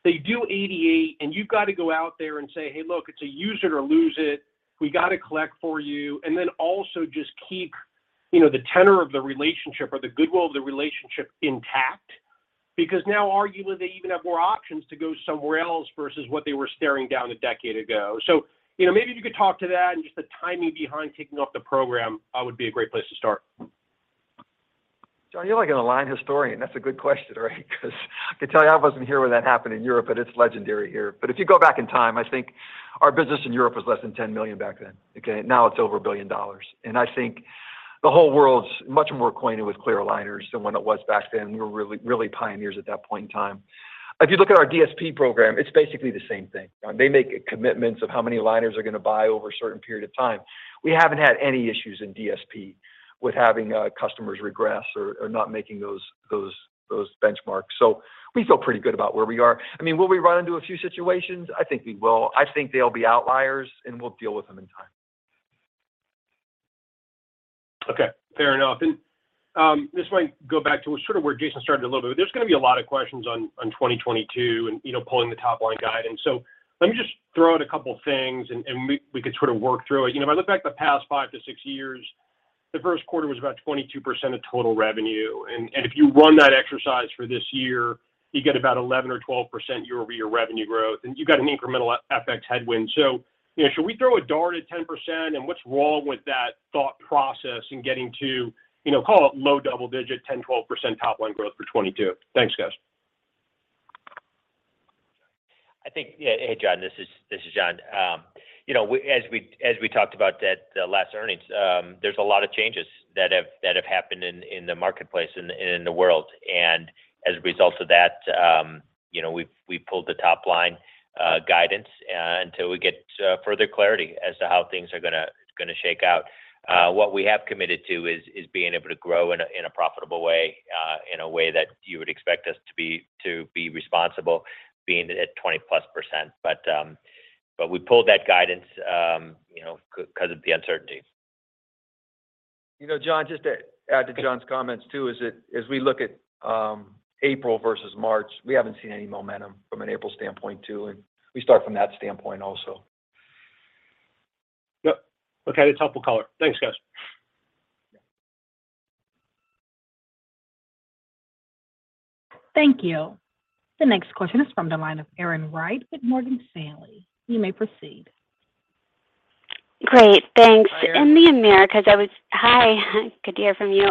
They do 88, and you've got to go out there and say, "Hey, look, it's a use it or lose it. We got to collect for you. Then also just keep, you know, the tenor of the relationship or the goodwill of the relationship intact. Because now arguably they even have more options to go somewhere else versus what they were staring down a decade ago. You know, maybe if you could talk to that and just the timing behind kicking off the program would be a great place to start. Jon, you're like an Align historian. That's a good question, right? 'Cause I can tell you I wasn't here when that happened in Europe, but it's legendary here. If you go back in time, I think our business in Europe was less than $10 million back then, okay? Now it's over $1 billion. I think the whole world's much more acquainted with clear aligners than when it was back then. We were really, really pioneers at that point in time. If you look at our DSP program, it's basically the same thing. They make commitments of how many aligners they're gonna buy over a certain period of time. We haven't had any issues in DSP with having customers regress or not making those benchmarks. We feel pretty good about where we are. I mean, will we run into a few situations? I think we will. I think they'll be outliers, and we'll deal with them in time. Okay. Fair enough. This might go back to sort of where Jason started a little bit. There's gonna be a lot of questions on 2022 and, you know, pulling the top line guide. Let me just throw out a couple things and we can sort of work through it. You know, if I look back the past five to six years, the first quarter was about 22% of total revenue. If you run that exercise for this year, you get about 11% or 12% year-over-year revenue growth, and you've got an incremental FX headwind. You know, should we throw a dart at 10%, and what's wrong with that thought process in getting to, you know, call it low double-digit, 10%, 12% top line growth for 2022? Thanks, guys. Hey, Jon. This is John. You know, as we talked about at the last earnings, there's a lot of changes that have happened in the marketplace and in the world. As a result of that, you know, we pulled the top line guidance until we get further clarity as to how things are gonna shake out. What we have committed to is being able to grow in a profitable way, in a way that you would expect us to be responsible being at 20%+. We pulled that guidance because of the uncertainty. You know, Jon, just to add to John's comments too is that as we look at April versus March, we haven't seen any momentum from an April standpoint too, and we start from that standpoint also. Yep. Okay. That's helpful color. Thanks, guys. Thank you. The next question is from the line of Erin Wright with Morgan Stanley. You may proceed. Great. Thanks. Hi, Erin. Hi, good to hear from you.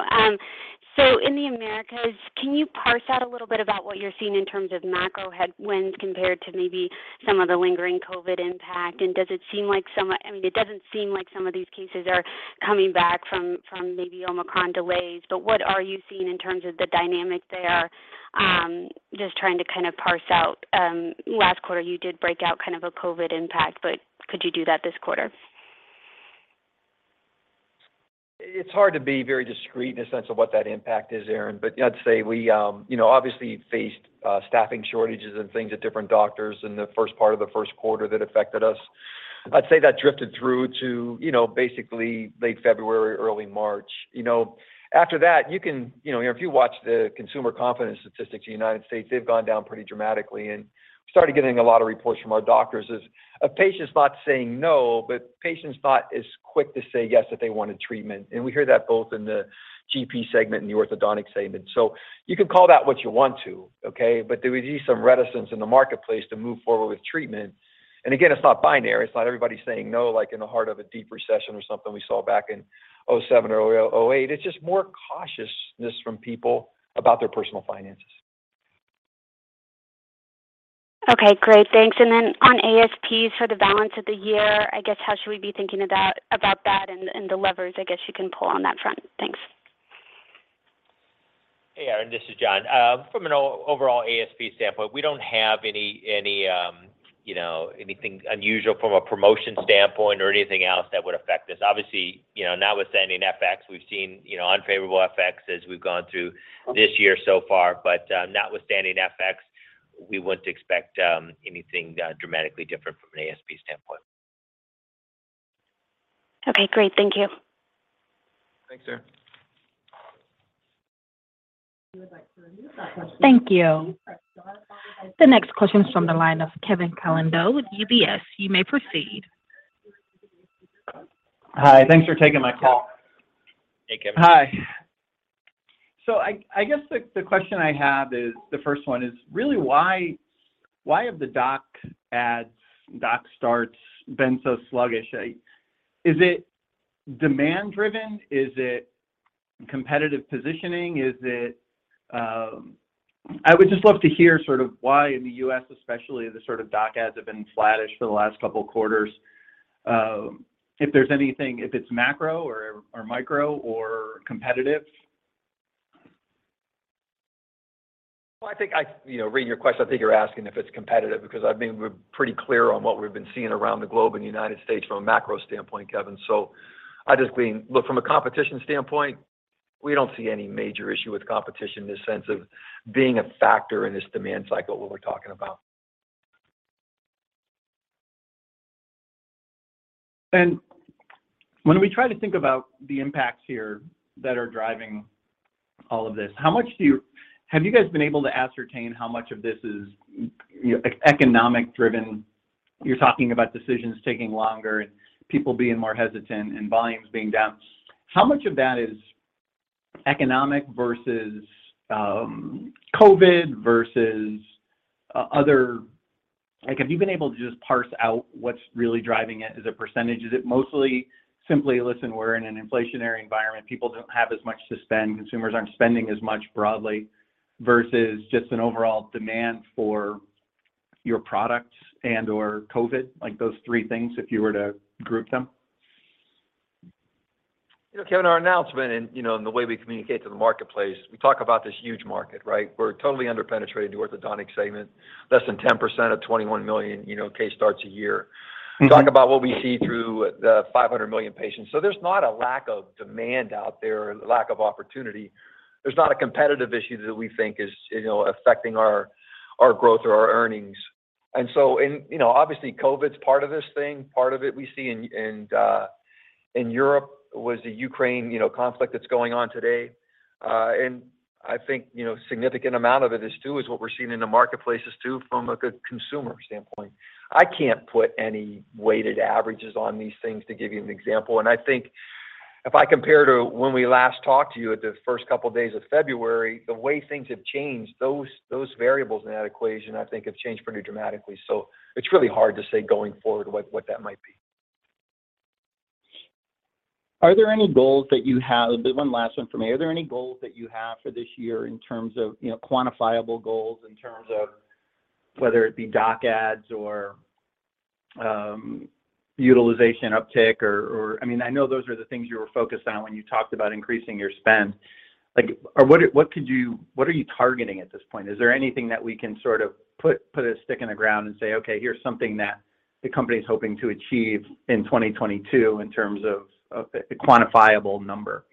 So in the Americas, can you parse out a little bit about what you're seeing in terms of macro headwinds compared to maybe some of the lingering COVID impact? Does it seem like some, I mean, it doesn't seem like some of these cases are coming back from maybe Omicron delays, but what are you seeing in terms of the dynamic there? Just trying to kind of parse out, last quarter, you did break out kind of a COVID impact, but could you do that this quarter? It's hard to be very discreet in the sense of what that impact is, Erin. I'd say we, you know, obviously faced staffing shortages and things at different doctors in the first part of the first quarter that affected us. I'd say that drifted through to, you know, basically late February, early March. You know, after that, you know, if you watch the consumer confidence statistics in the United States, they've gone down pretty dramatically. We started getting a lot of reports from our doctors is a patient's not saying no, but patient's not as quick to say yes if they wanted treatment. We hear that both in the GP segment and the orthodontic segment. You can call that what you want to, okay, but there was some reticence in the marketplace to move forward with treatment. Again, it's not binary. It's not everybody saying no like in the heart of a deep recession or something we saw back in 2007 or 2008. It's just more cautiousness from people about their personal finances. Okay. Great. Thanks. On ASPs for the balance of the year, I guess how should we be thinking about that and the levers I guess you can pull on that front? Thanks. Hey, Erin. This is John. From an overall ASP standpoint, we don't have any, you know, anything unusual from a promotion standpoint or anything else that would affect this. Obviously, you know, notwithstanding FX, we've seen, you know, unfavorable FX as we've gone through this year so far. Notwithstanding FX, we wouldn't expect anything dramatically different from an ASP standpoint. Okay, great. Thank you. Thanks, Erin. Thank you. The next question is from the line of Kevin Caliendo with UBS. You may proceed. Hi. Thanks for taking my call. Hey, Kevin. Hi. I guess the question I have is, the first one is, really why have the doc adds, doc starts been so sluggish? Is it demand driven? Is it competitive positioning? I would just love to hear sort of why in the U.S. especially the sort of doc adds have been flattish for the last couple quarters. If there's anything, if it's macro or micro or competitive. Well, I think you know, reading your question, I think you're asking if it's competitive because I've been pretty clear on what we've been seeing around the globe in the United States from a macro standpoint, Kevin. I just mean, look, from a competition standpoint, we don't see any major issue with competition in the sense of being a factor in this demand cycle, what we're talking about. When we try to think about the impacts here that are driving all of this, how much have you guys been able to ascertain how much of this is economic driven? You're talking about decisions taking longer and people being more hesitant and volumes being down. How much of that is economic versus COVID versus other. Like, have you been able to just parse out what's really driving it as a percentage? Is it mostly simply, listen, we're in an inflationary environment, people don't have as much to spend, consumers aren't spending as much broadly versus just an overall demand for your products and or COVID, like those three things if you were to group them. You know, Kevin, our announcement and, you know, the way we communicate to the marketplace, we talk about this huge market, right? We're totally under-penetrated in the orthodontic segment, less than 10% of 21 million, you know, case starts a year. Mm-hmm. We talk about what we see through the 500 million patients. There's not a lack of demand out there or lack of opportunity. There's not a competitive issue that we think is affecting our growth or our earnings. Obviously COVID's part of this thing, part of it we see in Europe with the Ukraine conflict that's going on today. I think significant amount of it is what we're seeing in the marketplaces too from a good consumer standpoint. I can't put any weighted averages on these things to give you an example, and I think if I compare to when we last talked to you at the first couple of days of February, the way things have changed, those variables in that equation I think have changed pretty dramatically. It's really hard to say going forward what that might be. One last one for me. Are there any goals that you have for this year in terms of, you know, quantifiable goals in terms of whether it be doc adds or utilization uptick or I mean, I know those are the things you were focused on when you talked about increasing your spend. Like, what could you what are you targeting at this point? Is there anything that we can sort of put a stick in the ground and say, "Okay, here's something that the company is hoping to achieve in 2022 in terms of a quantifiable number"?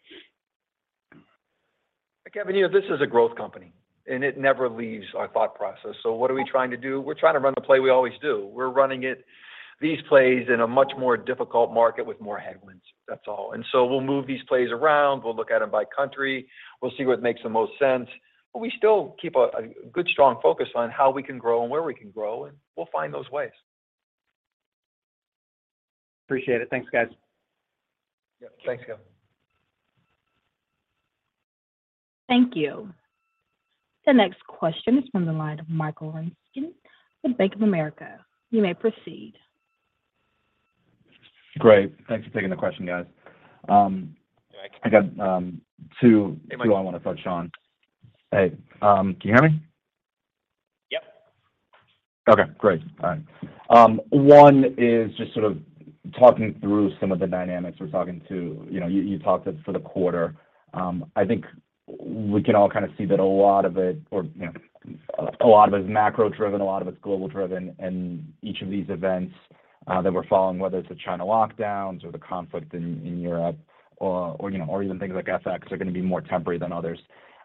Kevin, you know, this is a growth company, and it never leaves our thought process. What are we trying to do? We're trying to run the play we always do. We're running it, these plays in a much more difficult market with more headwinds. That's all. We'll move these plays around, we'll look at them by country, we'll see what makes the most sense, but we still keep a good strong focus on how we can grow and where we can grow, and we'll find those ways. Appreciate it. Thanks, guys. Yep. Thanks, Kevin. Thank you. The next question is from the line of Michael Ryskin from Bank of America. You may proceed. Great. Thanks for taking the question, guys. Yeah. I got two- Hey, Mike. I wanna touch on. Hey, can you hear me? Yep. Okay, great. All right. One is just sort of talking through some of the dynamics. We're talking to, you know, you talked for the quarter. I think we can all kind of see that a lot of it or, you know, a lot of it's macro-driven, a lot of it's global-driven, and each of these events that we're following, whether it's the China lockdowns or the conflict in Europe or, you know, or even things like FX are gonna be more temporary than others.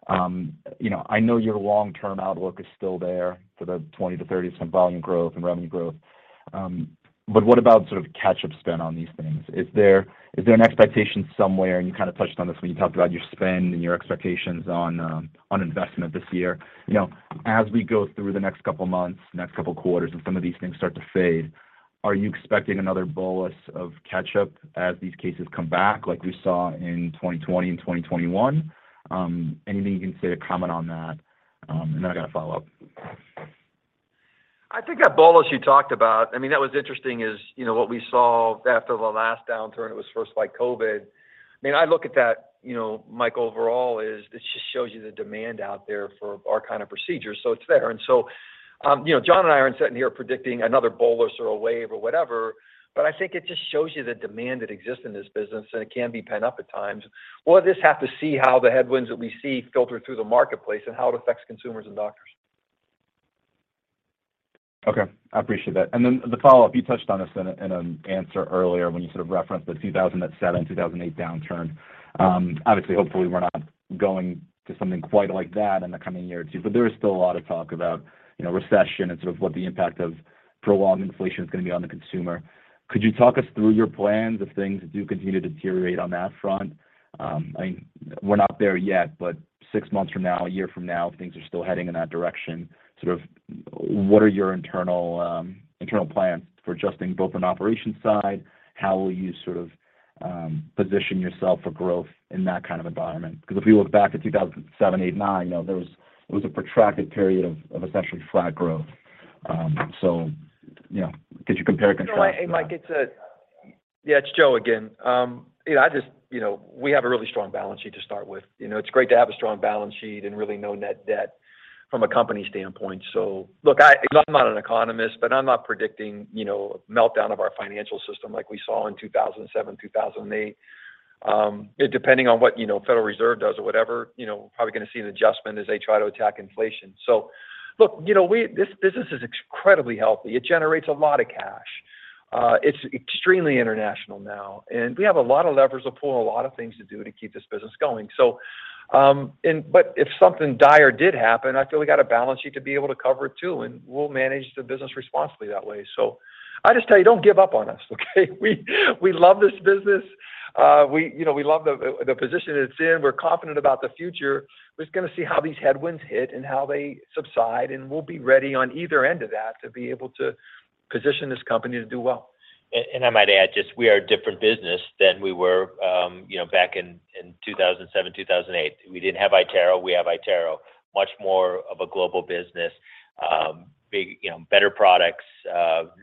You know, I know your long-term outlook is still there for the 20%-30% volume growth and revenue growth, but what about sort of catch-up spend on these things? Is there an expectation somewhere, and you kinda touched on this when you talked about your spend and your expectations on investment this year. You know, as we go through the next couple months, next couple quarters and some of these things start to fade, are you expecting another bolus of catch-up as these cases come back like we saw in 2020 and 2021? Anything you can say to comment on that, and then I got a follow-up. I think that bolus you talked about, I mean, that was interesting, you know, what we saw after the last downturn. It was first by COVID. I mean, I look at that, you know, Mike. Overall, this just shows you the demand out there for our kind of procedure. It's there. You know, John and I aren't sitting here predicting another bolus or a wave or whatever, but I think it just shows you the demand that exists in this business and it can be pent up at times. We'll just have to see how the headwinds that we see filter through the marketplace and how it affects consumers and doctors. Okay. I appreciate that. The follow-up, you touched on this in an answer earlier when you sort of referenced the 2007, 2008 downturn. Obviously, hopefully we're not going to something quite like that in the coming year or two, but there is still a lot of talk about, you know, recession and sort of what the impact of prolonged inflation is gonna be on the consumer. Could you talk us through your plans if things do continue to deteriorate on that front? I mean, we're not there yet, but six months from now, a year from now, if things are still heading in that direction, sort of what are your internal plans for adjusting both on operations side? How will you sort of position yourself for growth in that kind of environment? 'Cause if we look back at 2007, 2008, 2009, you know, it was a protracted period of essentially flat growth. You know, could you compare and contrast that? You know what, hey, Mike, it's. Yeah, it's Joe again. You know, I just, you know, we have a really strong balance sheet to start with. You know, it's great to have a strong balance sheet and really no net debt from a company standpoint. Look, I'm not an economist, but I'm not predicting, you know, a meltdown of our financial system like we saw in 2007, 2008. Depending on what, you know, Federal Reserve does or whatever, you know, probably gonna see an adjustment as they try to attack inflation. Look, you know, this business is incredibly healthy. It generates a lot of cash. It's extremely international now, and we have a lot of levers to pull and a lot of things to do to keep this business going. If something dire did happen, I feel we got a balance sheet to be able to cover it too, and we'll manage the business responsibly that way. I just tell you, don't give up on us, okay? We love this business. You know, we love the position it's in. We're confident about the future. We're just gonna see how these headwinds hit and how they subside, and we'll be ready on either end of that to be able to position this company to do well. I might add just we are a different business than we were, you know, back in 2007, 2008. We didn't have iTero. We have iTero. Much more of a global business. Big, you know, better products.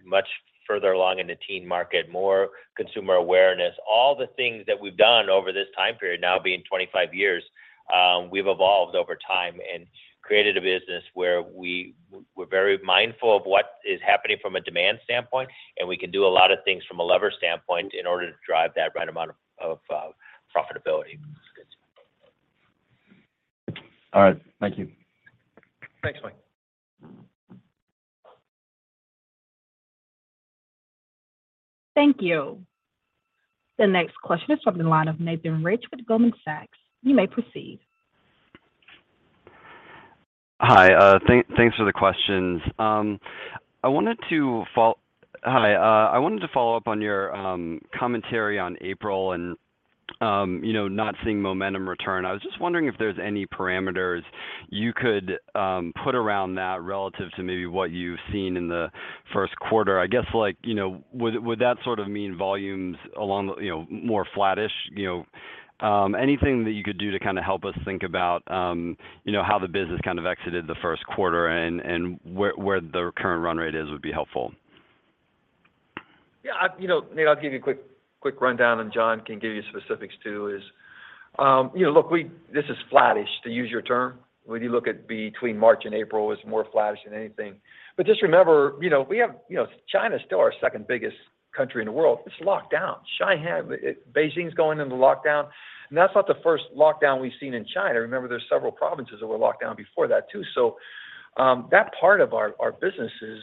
Much Further along in the teen market, more consumer awareness. All the things that we've done over this time period, now being 25 years, we've evolved over time and created a business where we're very mindful of what is happening from a demand standpoint, and we can do a lot of things from a lever standpoint in order to drive that right amount of profitability. All right. Thank you. Thanks, Mike. Thank you. The next question is from the line of Nathan Rich with Goldman Sachs. You may proceed. Hi. Thanks for the questions. I wanted to follow up on your commentary on April and you know, not seeing momentum return. I was just wondering if there's any parameters you could put around that relative to maybe what you've seen in the first quarter. I guess, like, you know, would that sort of mean volumes along, you know, more flattish? You know, anything that you could do to kinda help us think about, you know, how the business kind of exited the first quarter and where the current run rate is, would be helpful. You know, Nate, I'll give you a quick rundown, and John can give you specifics too, you know, look, this is flattish, to use your term. When you look at between March and April is more flattish than anything. Just remember, you know, we have, you know, China's still our second biggest country in the world. It's locked down. Shanghai, Beijing's going into lockdown. That's not the first lockdown we've seen in China. Remember, there's several provinces that were locked down before that too. That part of our business is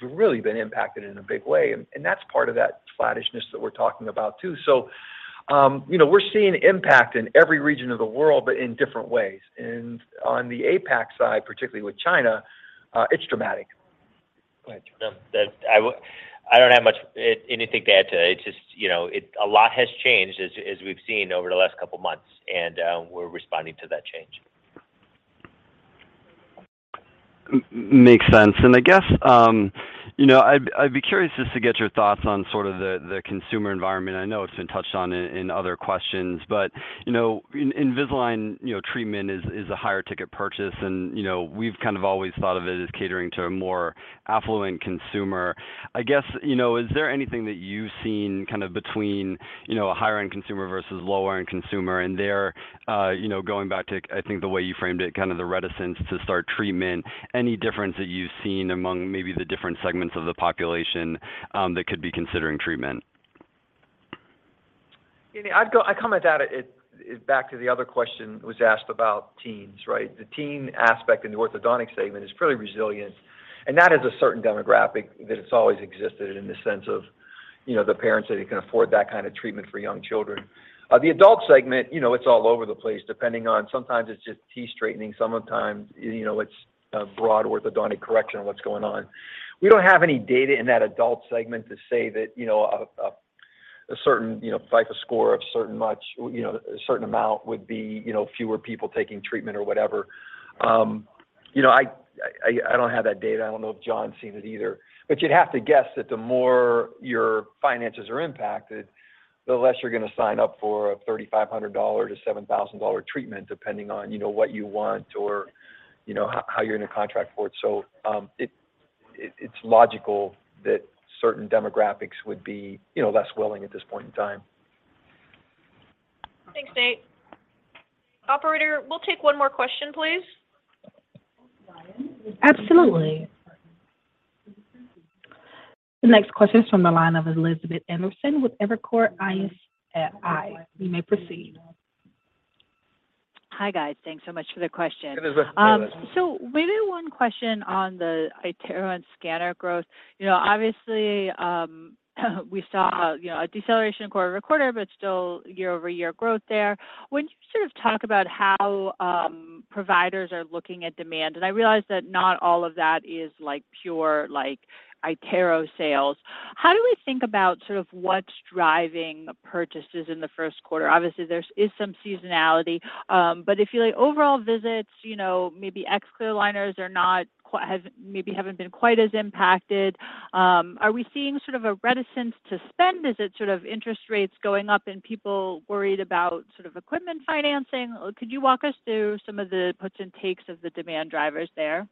really been impacted in a big way, and that's part of that flattishness that we're talking about too. You know, we're seeing impact in every region of the world, but in different ways. On the APAC side, particularly with China, it's dramatic. Go ahead, John. I don't have much anything to add to that. It's just, you know, a lot has changed as we've seen over the last couple months, and we're responding to that change. Makes sense. I guess, you know, I'd be curious just to get your thoughts on sort of the consumer environment. I know it's been touched on in other questions, but, you know, Invisalign, you know, treatment is a higher ticket purchase and, you know, we've kind of always thought of it as catering to a more affluent consumer. I guess, you know, is there anything that you've seen kind of between, you know, a higher end consumer versus lower end consumer and their, you know, going back to, I think the way you framed it, kind of the reticence to start treatment, any difference that you've seen among maybe the different segments of the population, that could be considering treatment? You know, back to the other question was asked about teens, right? The teen aspect in the orthodontic segment is fairly resilient, and that is a certain demographic that it's always existed in the sense of, you know, the parents that can afford that kind of treatment for young children. The adult segment, you know, it's all over the place, depending on sometimes it's just teeth straightening, sometimes, you know, it's a broad orthodontic correction of what's going on. We don't have any data in that adult segment to say that, you know, a certain FICO score or certain income, you know, a certain amount would be, you know, fewer people taking treatment or whatever. You know, I don't have that data. I don't know if John's seen it either. You'd have to guess that the more your finances are impacted, the less you're gonna sign up for a $3,500-$7,000 treatment depending on, you know, what you want or, you know, how you're in a contract for it. It's logical that certain demographics would be, you know, less willing at this point in time. Thanks, Nate. Operator, we'll take one more question, please. Absolutely. The next question is from the line of Elizabeth Anderson with Evercore ISI. You may proceed. Hi, guys. Thanks so much for the question. Hey, Elizabeth. Hi, Liz. Maybe one question on the iTero and scanner growth. You know, obviously, we saw, you know, a deceleration quarter-over-quarter, but still year-over-year growth there. Would you sort of talk about how providers are looking at demand? I realize that not all of that is like pure, like iTero sales. How do we think about sort of what's driving purchases in the first quarter? Obviously, there's some seasonality, but I feel like overall visits, you know, maybe ex clear aligners are not haven't been quite as impacted. Are we seeing sort of a reticence to spend? Is it sort of interest rates going up and people worried about sort of equipment financing? Could you walk us through some of the puts and takes of the demand drivers there?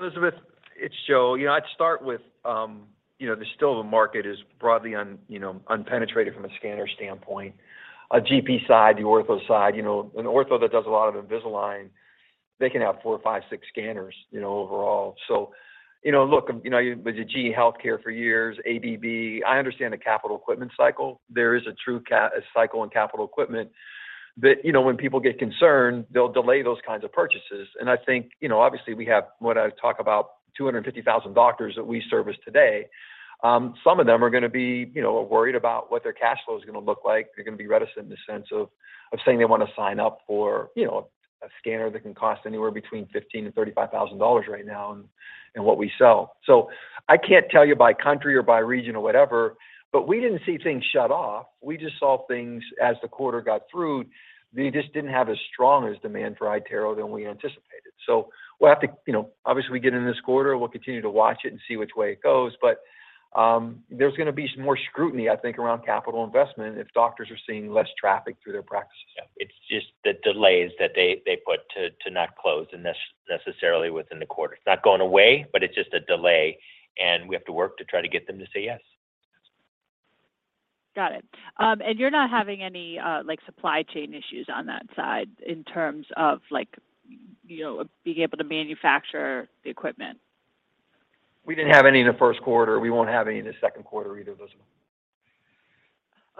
Elizabeth, it's Joe. You know, I'd start with, you know, there's still a market is broadly unpenetrated from a scanner standpoint. A GP side, the ortho side, you know, an ortho that does a lot of Invisalign, they can have four, five, six scanners, you know, overall. You know, look, you know, with the GE Healthcare for years, ADB, I understand the capital equipment cycle. There is a true cycle in capital equipment that, you know, when people get concerned, they'll delay those kinds of purchases. I think, you know, obviously we have, when I talk about 250,000 doctors that we service today, some of them are gonna be, you know, worried about what their cash flow is gonna look like. They're gonna be reticent in the sense of saying they wanna sign up for, you know, a scanner that can cost anywhere between $15,000-$35,000 right now in what we sell. I can't tell you by country or by region or whatever, but we didn't see things shut off. We just saw things as the quarter got through. They just didn't have as strong as demand for iTero than we anticipated. We'll have to, you know, obviously get in this quarter. We'll continue to watch it and see which way it goes. There's gonna be some more scrutiny, I think, around capital investment if doctors are seeing less traffic through their practices. Yeah. It's just the delays that they put off to not close, necessarily, within the quarter. It's not going away, but it's just a delay, and we have to work to try to get them to say yes. Got it. You're not having any, like, supply chain issues on that side in terms of like, you know, being able to manufacture the equipment? We didn't have any in the first quarter. We won't have any in the second quarter either, Elizabeth.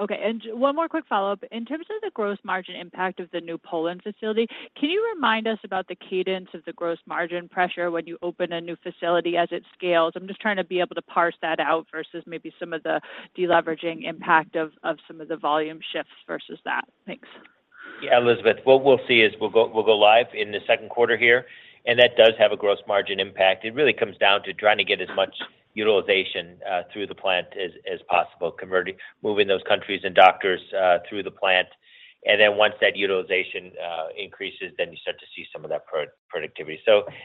Okay. One more quick follow-up. In terms of the gross margin impact of the new Poland facility, can you remind us about the cadence of the gross margin pressure when you open a new facility as it scales? I'm just trying to be able to parse that out versus maybe some of the deleveraging impact of some of the volume shifts versus that. Thanks. Yeah. Elizabeth, what we'll see is we'll go live in the second quarter here, and that does have a gross margin impact. It really comes down to trying to get as much utilization through the plant as possible, moving those countries and doctors through the plant. Then once that utilization increases, you start to see some of that productivity.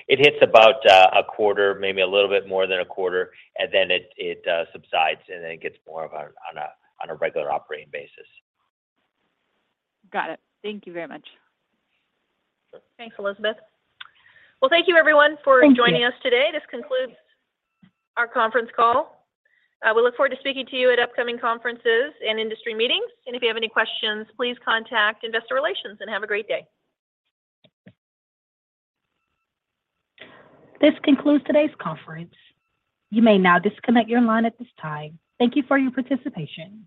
It hits about a quarter, maybe a little bit more than a quarter, and then it subsides, and then it gets more of a on a regular operating basis. Got it. Thank you very much. Thanks, Elizabeth. Well, thank you, everyone. Thank you. Joining us today. This concludes our conference call. We look forward to speaking to you at upcoming conferences and industry meetings. If you have any questions, please contact Investor Relations, and have a great day. This concludes today's conference. You may now disconnect your line at this time. Thank you for your participation.